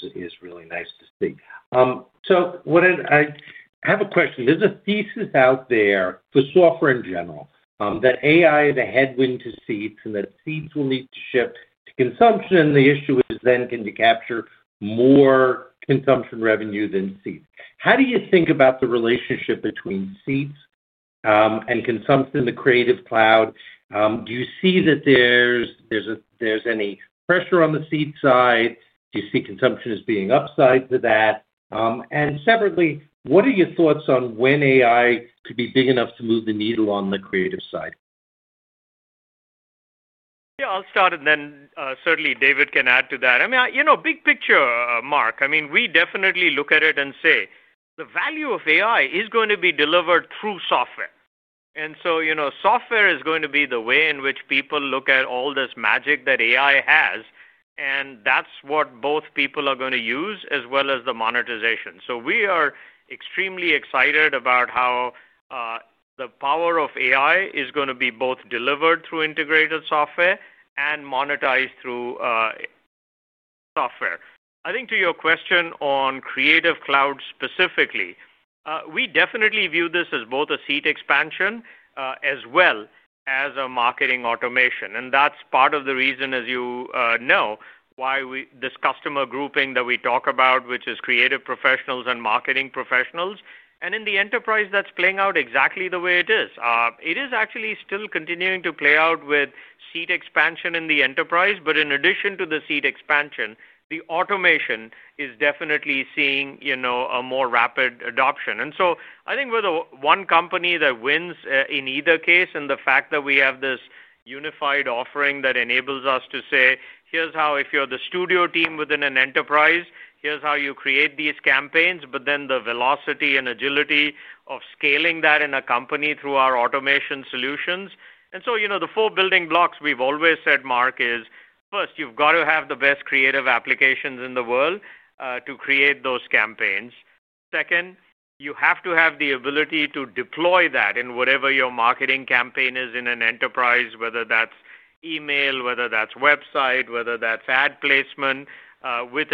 really nice to see. I have a question. There's a thesis out there for software in general that AI is a headwind to seats, and that seats will need to shift to consumption. The issue is then, can you capture more consumption revenue than seats? How do you think about the relationship between seats and consumption in the Creative Cloud? Do you see that there's any pressure on the seat side? Do you see consumption as being upside to that? Separately, what are your thoughts on when AI could be big enough to move the needle on the creative side? Yeah, I'll start, and then certainly David can add to that. I mean, big picture, Mark, we definitely look at it and say the value of AI is going to be delivered through software. Software is going to be the way in which people look at all this magic that AI has, and that's what both people are going to use, as well as the monetization. We are extremely excited about how the power of AI is going to be both delivered through integrated software and monetized through software. I think to your question on Creative Cloud specifically, we definitely view this as both a seat expansion as well as a marketing automation. That's part of the reason, as you know, why this customer grouping that we talk about, which is creative professionals and marketing professionals, and in the enterprise that's playing out exactly the way it is. It is actually still continuing to play out with seat expansion in the enterprise, but in addition to the seat expansion, the automation is definitely seeing a more rapid adoption. I think we're the one company that wins in either case, and the fact that we have this unified offering that enables us to say, here's how, if you're the studio team within an enterprise, here's how you create these campaigns, but then the velocity and agility of scaling that in a company through our automation solutions. The four building blocks we've always said, Mark, is first, you've got to have the best creative applications in the world to create those campaigns. Second, you have to have the ability to deploy that in whatever your marketing campaign is in an enterprise, whether that's email, whether that's website, whether that's ad placement with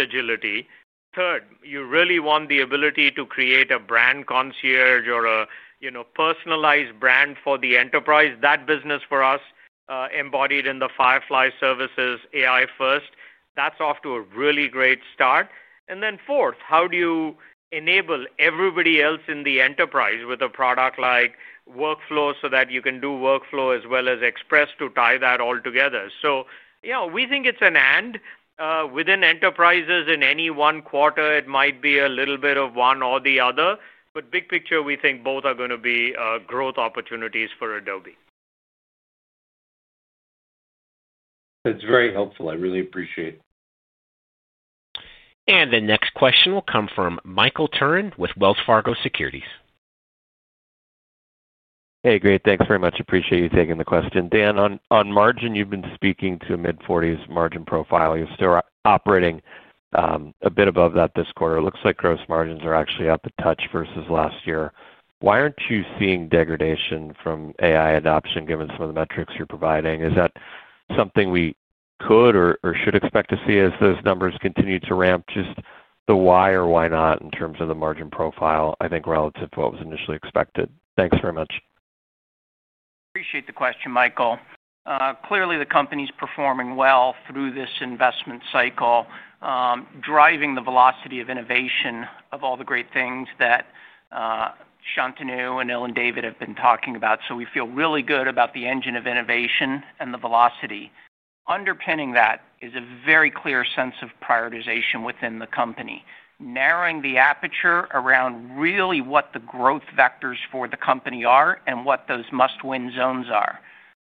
agility. Third, you really want the ability to create a brand concierge or a personalized brand for the enterprise. That business for us embodied in the Firefly Services AI-first. That's off to a really great start. Fourth, how do you enable everybody else in the enterprise with a product like Workflow so that you can do Workflow as well as Express to tie that all together? We think it's an and within enterprises in any one quarter, it might be a little bit of one or the other, but big picture, we think both are going to be growth opportunities for Adobe. It's very helpful. I really appreciate it. The next question will come from Michael Turrin with Wells Fargo Securities. Hey, great. Thanks very much. Appreciate you taking the question. Dan, on margin, you've been speaking to a mid-40% margin profile. You're still operating a bit above that this quarter. It looks like gross margins are actually up a touch versus last year. Why aren't you seeing degradation from AI adoption given some of the metrics you're providing? Is that something we could or should expect to see as those numbers continue to ramp? Just the why or why not in terms of the margin profile, I think relative to what was initially expected. Thanks very much. Appreciate the question, Michael. Clearly, the company's performing well through this investment cycle, driving the velocity of innovation of all the great things that Shantanu and Anil and David have been talking about. We feel really good about the engine of innovation and the velocity. Underpinning that is a very clear sense of prioritization within the company, narrowing the aperture around really what the growth vectors for the company are and what those must-win zones are.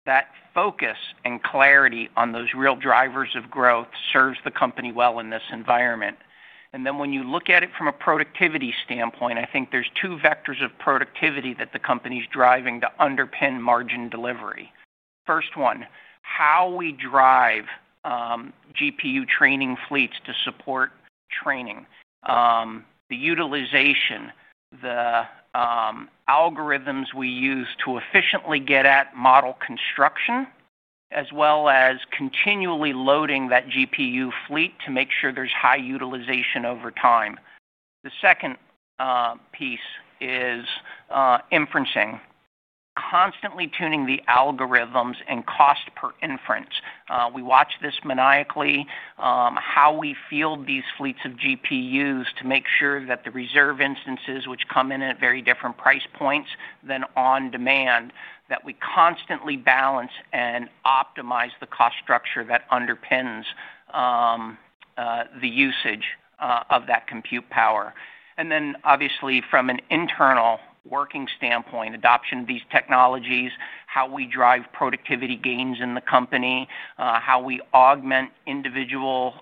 That focus and clarity on those real drivers of growth serves the company well in this environment. When you look at it from a productivity standpoint, I think there's two vectors of productivity that the company's driving to underpin margin delivery. First one, how we drive GPU training fleets to support training, the utilization, the algorithms we use to efficiently get at model construction, as well as continually loading that GPU fleet to make sure there's high utilization over time. The second piece is inferencing, constantly tuning the algorithms and cost per inference. We watch this maniacally, how we field these fleets of GPUs to make sure that the reserve instances, which come in at very different price points than on demand, that we constantly balance and optimize the cost structure that underpins the usage of that compute power. Obviously, from an internal working standpoint, adoption of these technologies, how we drive productivity gains in the company, how we augment individual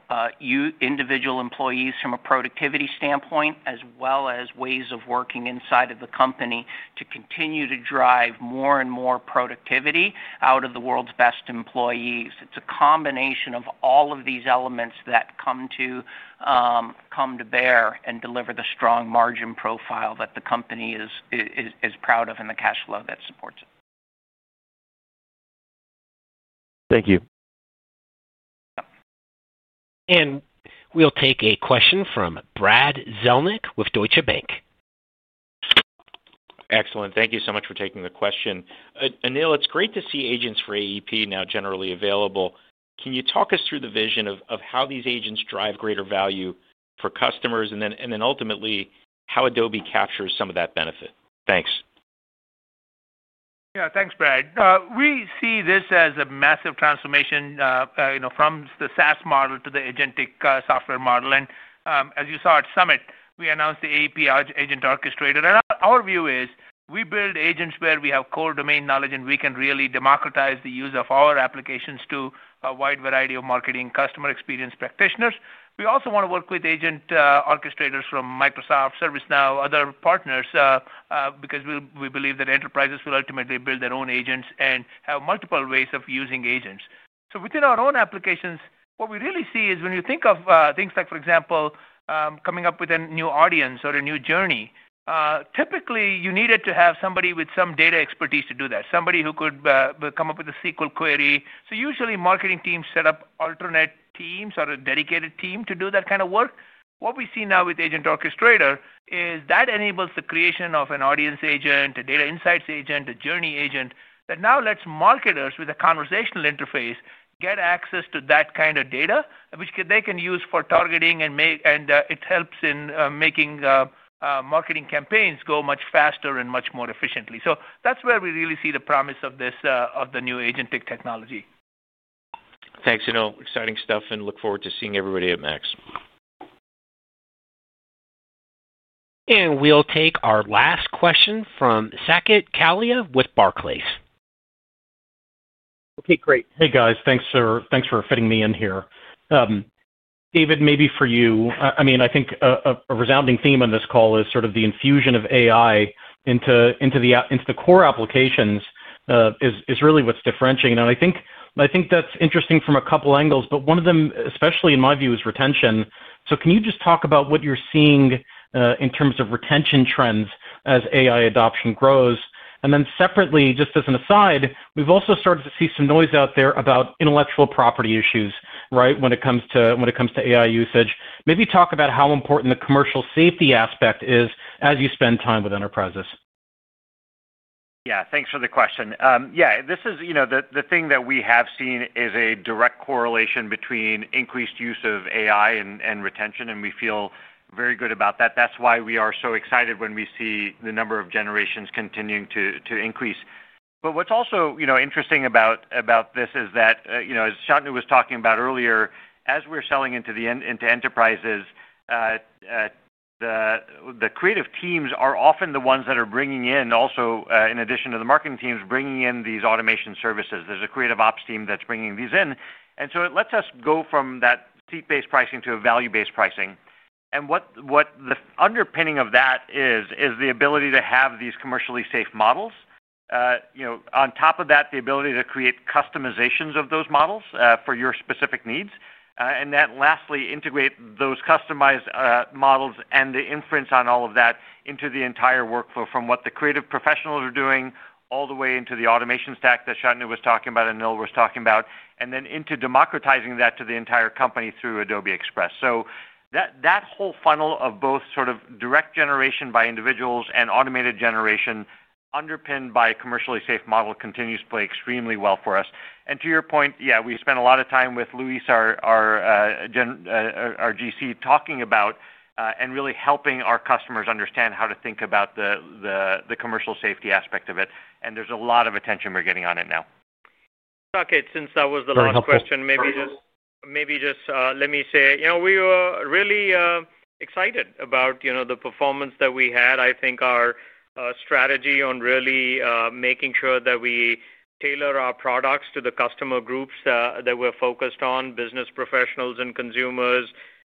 employees from a productivity standpoint, as well as ways of working inside of the company to continue to drive more and more productivity out of the world's best employees. It's a combination of all of these elements that come to bear and deliver the strong margin profile that the company is proud of and the cash flow that supports it. Thank you. We will take a question from Brad Zelnick with Deutsche Bank. Excellent. Thank you so much for taking the question. Anil, it's great to see agents for Adobe Experience Platform now generally available. Can you talk us through the vision of how these agents drive greater value for customers and then ultimately how Adobe captures some of that benefit? Thanks. Yeah, thanks, Brad. We see this as a massive transformation from the SaaS model to the agentic software model. As you saw at Summit, we announced the AEP Agent Orchestrator. Our view is we build agents where we have core domain knowledge and we can really democratize the use of our applications to a wide variety of marketing customer experience practitioners. We also want to work with agent orchestrators from Microsoft, ServiceNow, and other partners because we believe that enterprises will ultimately build their own agents and have multiple ways of using agents. Within our own applications, what we really see is when you think of things like, for example, coming up with a new audience or a new journey, typically you need to have somebody with some data expertise to do that, somebody who could come up with a SQL query. Usually, marketing teams set up alternate teams or a dedicated team to do that kind of work. What we see now with Agent Orchestrator is that enables the creation of an audience agent, a data insights agent, a journey agent that now lets marketers with a conversational interface get access to that kind of data, which they can use for targeting, and it helps in making marketing campaigns go much faster and much more efficiently. That's where we really see the promise of the new agentic technology. Thanks, Anil. Exciting stuff, and look forward to seeing everybody at MAX. We'll take our last question from Saket Kalia with Barclays. Okay, great. Hey, guys. Thanks for fitting me in here. David, maybe for you, I mean, I think a resounding theme on this call is sort of the infusion of AI into the core applications is really what's differentiating. I think that's interesting from a couple of angles, but one of them, especially in my view, is retention. Can you just talk about what you're seeing in terms of retention trends as AI adoption grows? Then separately, just as a side, We've also started to see some noise out there about intellectual property issues, right? When it comes to AI usage, maybe talk about how important the commercial safety aspect is as you spend time with enterprises. Yeah, thanks for the question. The thing that we have seen is a direct correlation between increased use of AI and retention, and we feel very good about that. That's why we are so excited when we see the number of generations continuing to increase. What's also interesting about this is that, as Shantanu was talking about earlier, as we're selling into enterprises, the creative teams are often the ones that are bringing in, in addition to the marketing teams, these automation services. There's a creative ops team that's bringing these in. It lets us go from that seat-based pricing to a value-based pricing. The underpinning of that is the ability to have these commercially safe models. On top of that, the ability to create customizations of those models for your specific needs. Lastly, integrate those customized models and the inference on all of that into the entire workflow, from what the creative professionals are doing all the way into the automation stack that Shantanu was talking about and Anil was talking about, and then into democratizing that to the entire company through Adobe Express. That whole funnel of both sort of direct generation by individuals and automated generation underpinned by a commercially safe model continues to play extremely well for us. To your point, we spent a lot of time with Louise, our GC, talking about and really helping our customers understand how to think about the commercial safety aspect of it. There's a lot of attention we're getting on it now. Okay, since that was the last question, let me say, you know, we were really excited about, you know, the performance that we had. I think our strategy on really making sure that we tailor our products to the customer groups that we're focused on, business professionals and consumers,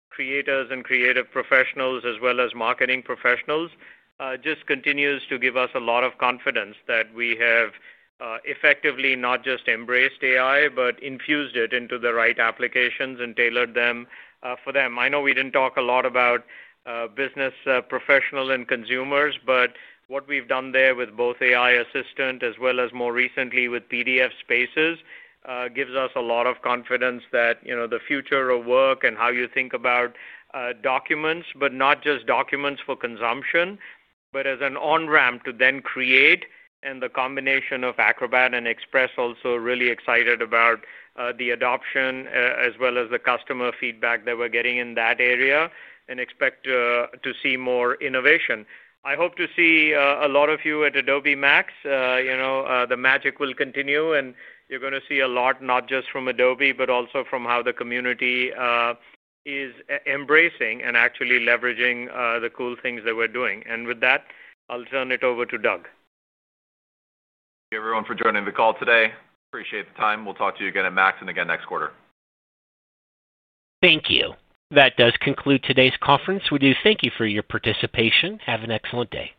creators and creative professionals, as well as marketing professionals, just continues to give us a lot of confidence that we have effectively not just embraced AI, but infused it into the right applications and tailored them for them. I know we didn't talk a lot about business professionals and consumers, but what we've done there with both AI assistants, as well as more recently with PDF Spaces, gives us a lot of confidence that, you know, the future of work and how you think about documents, but not just documents for consumption, but as an on-ramp to then create. The combination of Acrobat and Express also really excited about the adoption, as well as the customer feedback that we're getting in that area, and expect to see more innovation. I hope to see a lot of you at Adobe Max. The magic will continue, and you're going to see a lot, not just from Adobe, but also from how the community is embracing and actually leveraging the cool things that we're doing. With that, I'll turn it over to Doug. Thank you, everyone, for joining the call today. Appreciate the time. We'll talk to you again at MAX and again next quarter. Thank you. That does conclude today's conference. We do thank you for your participation. Have an excellent day.